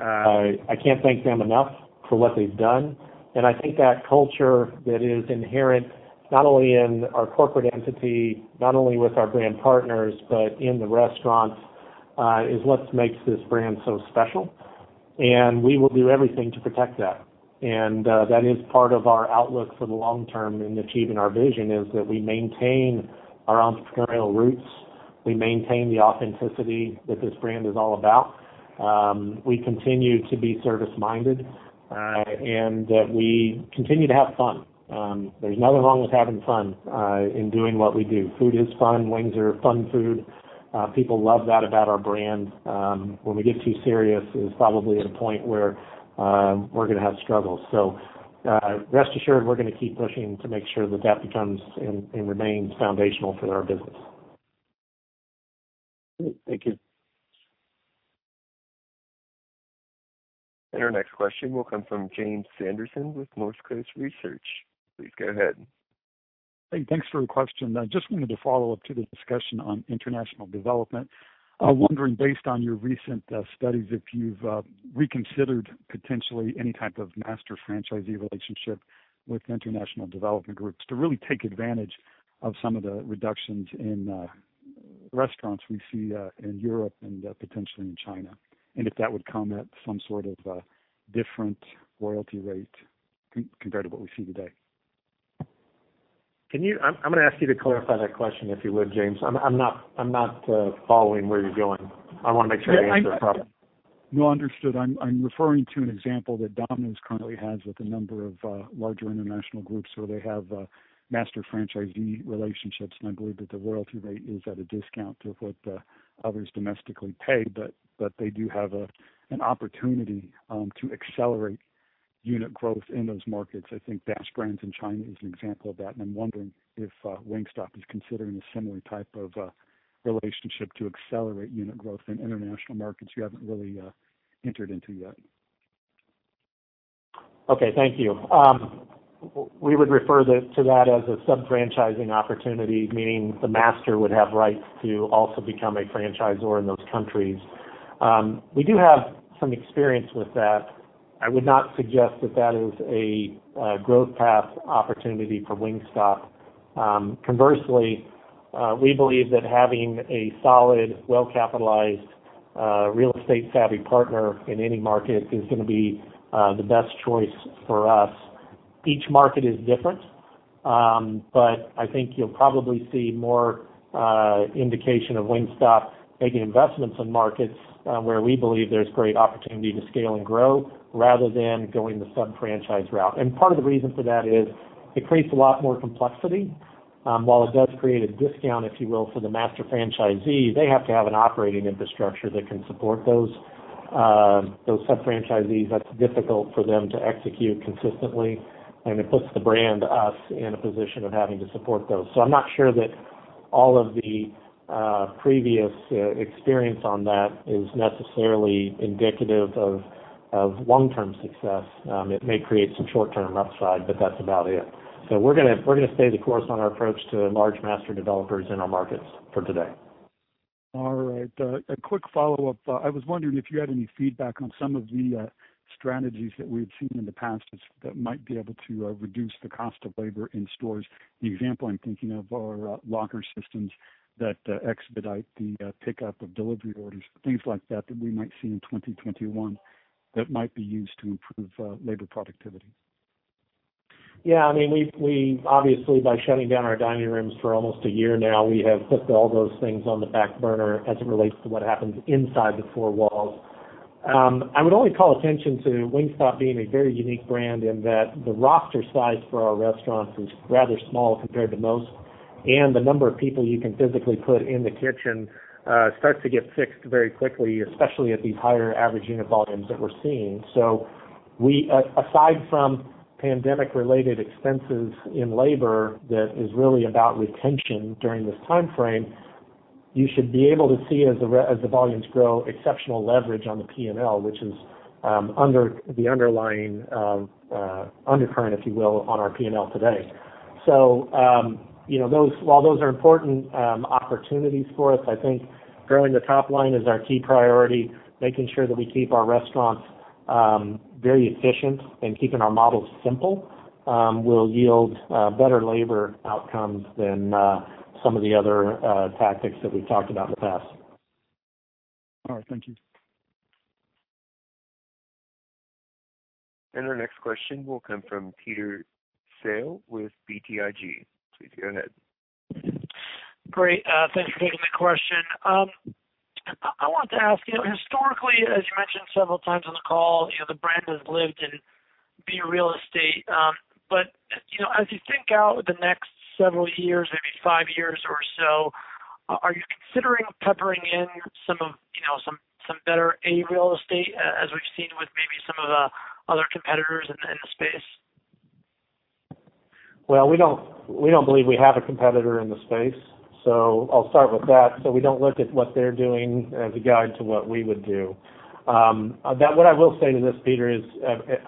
Speaker 3: I can't thank them enough for what they've done, and I think that culture that is inherent, not only in our corporate entity, not only with our brand partners, but in the restaurants, is what makes this brand so special, and we will do everything to protect that. That is part of our outlook for the long term in achieving our vision, is that we maintain our entrepreneurial roots, we maintain the authenticity that this brand is all about. We continue to be service-minded, and we continue to have fun. There's nothing wrong with having fun in doing what we do. Food is fun. Wings are fun food. People love that about our brand. When we get too serious is probably at a point where we're going to have struggles. Rest assured, we're going to keep pushing to make sure that that becomes and remains foundational for our business.
Speaker 19: Great. Thank you.
Speaker 1: Our next question will come from Jim Sanderson with Northcoast Research. Please go ahead.
Speaker 20: Hey, thanks for the question. I just wanted to follow up to the discussion on international development. I'm wondering, based on your recent studies, if you've reconsidered potentially any type of master franchisee relationship with international development groups to really take advantage of some of the reductions in restaurants we see in Europe and potentially in China, and if that would come at some sort of different royalty rate compared to what we see today?
Speaker 3: I'm going to ask you to clarify that question, if you would, Jim. I'm not following where you're going. I want to make sure I answer properly.
Speaker 20: No, understood. I'm referring to an example that Domino's currently has with a number of larger international groups, where they have master franchisee relationships, and I believe that the royalty rate is at a discount to what others domestically pay. They do have an opportunity to accelerate unit growth in those markets. I think Dash Grants in China is an example of that, and I'm wondering if Wingstop is considering a similar type of relationship to accelerate unit growth in international markets you haven't really entered into yet.
Speaker 3: Okay. Thank you. We would refer to that as a sub-franchising opportunity, meaning the master would have rights to also become a franchisor in those countries. We do have some experience with that. I would not suggest that that is a growth path opportunity for Wingstop. Conversely, we believe that having a solid, well-capitalized, real estate savvy partner in any market is going to be the best choice for us. Each market is different, but I think you'll probably see more indication of Wingstop making investments in markets where we believe there's great opportunity to scale and grow rather than going the sub-franchise route. Part of the reason for that is it creates a lot more complexity. While it does create a discount, if you will, for the master franchisee, they have to have an operating infrastructure that can support those sub-franchisees. That's difficult for them to execute consistently, and it puts the brand, us, in a position of having to support those. I'm not sure that all of the previous experience on that is necessarily indicative of long-term success. It may create some short-term upside, but that's about it. We're going to stay the course on our approach to large master developers in our markets for today.
Speaker 20: All right. A quick follow-up. I was wondering if you had any feedback on some of the strategies that we've seen in the past that might be able to reduce the cost of labor in stores. The example I'm thinking of are locker systems that expedite the pickup of delivery orders, things like that we might see in 2021 that might be used to improve labor productivity.
Speaker 3: Obviously, by shutting down our dining rooms for almost a year now, we have put all those things on the back burner as it relates to what happens inside the four walls. I would only call attention to Wingstop being a very unique brand in that the roster size for our restaurants is rather small compared to most, and the number of people you can physically put in the kitchen starts to get fixed very quickly, especially at these higher average unit volumes that we're seeing. Aside from pandemic-related expenses in labor, that is really about retention during this timeframe, you should be able to see as the volumes grow, exceptional leverage on the P&L, which is the underlying undercurrent, if you will, on our P&L today. While those are important opportunities for us, I think growing the top line is our key priority. Making sure that we keep our restaurants very efficient and keeping our models simple will yield better labor outcomes than some of the other tactics that we've talked about in the past.
Speaker 20: All right. Thank you.
Speaker 1: Our next question will come from Peter Saleh with BTIG. Please go ahead.
Speaker 21: Great. Thanks for taking the question. I wanted to ask, historically, as you mentioned several times on the call, the brand has lived in B real estate. As you think out the next several years, maybe five years or so, are you considering peppering in some better A real estate, as we've seen with maybe some of the other competitors in the space?
Speaker 3: Well, we don't believe we have a competitor in the space, so I'll start with that. We don't look at what they're doing as a guide to what we would do. What I will say to this, Peter, is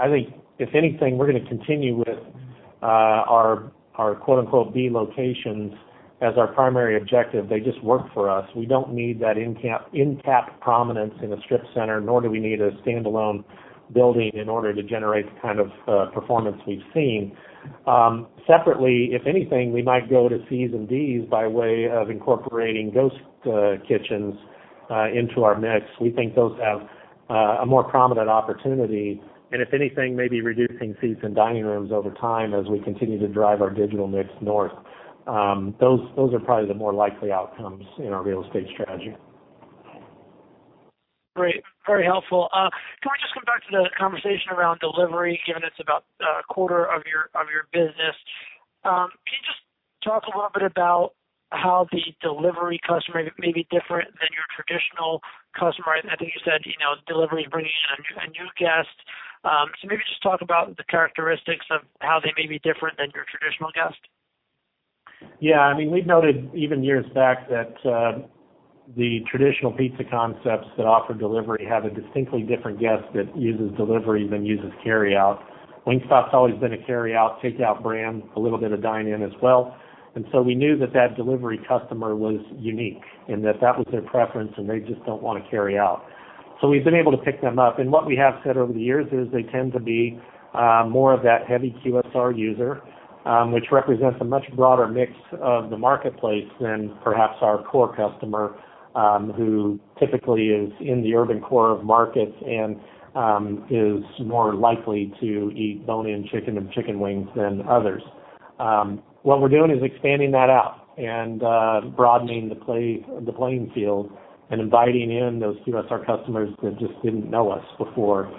Speaker 3: I think if anything, we're going to continue with our "B locations" as our primary objective. They just work for us. We don't need that end-cap prominence in a strip center, nor do we need a standalone building in order to generate the kind of performance we've seen. Separately, if anything, we might go to Cs and Ds by way of incorporating ghost kitchens into our mix. We think those have a more prominent opportunity, and if anything, maybe reducing seats and dining rooms over time as we continue to drive our digital mix north. Those are probably the more likely outcomes in our real estate strategy.
Speaker 21: Great. Very helpful. Can we just come back to the conversation around delivery, given it's about a quarter of your business? Can you just talk a little bit about how the delivery customer may be different than your traditional customer? I think you said delivery is bringing in a new guest. Maybe just talk about the characteristics of how they may be different than your traditional guest.
Speaker 3: We've noted even years back that the traditional pizza concepts that offer delivery have a distinctly different guest that uses delivery than uses carryout. Wingstop's always been a carryout, takeout brand, a little bit of dine-in as well. We knew that that delivery customer was unique, and that that was their preference, and they just don't want to carry out. We've been able to pick them up, and what we have said over the years is they tend to be more of that heavy QSR user, which represents a much broader mix of the marketplace than perhaps our core customer, who typically is in the urban core of markets and is more likely to eat bone-in chicken and chicken wings than others. What we're doing is expanding that out and broadening the playing field and inviting in those QSR customers that just didn't know us before,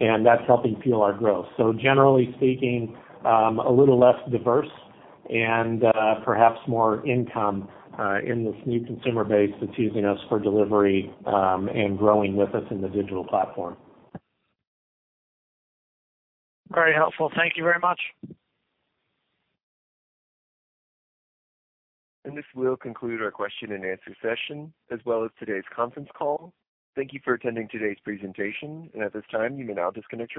Speaker 3: and that's helping fuel our growth. Generally speaking, a little less diverse and perhaps more income in this new consumer base that's using us for delivery and growing with us in the digital platform.
Speaker 21: Very helpful. Thank you very much.
Speaker 1: This will conclude our question and answer session, as well as today's conference call. Thank you for attending today's presentation. At this time, you may now disconnect your lines.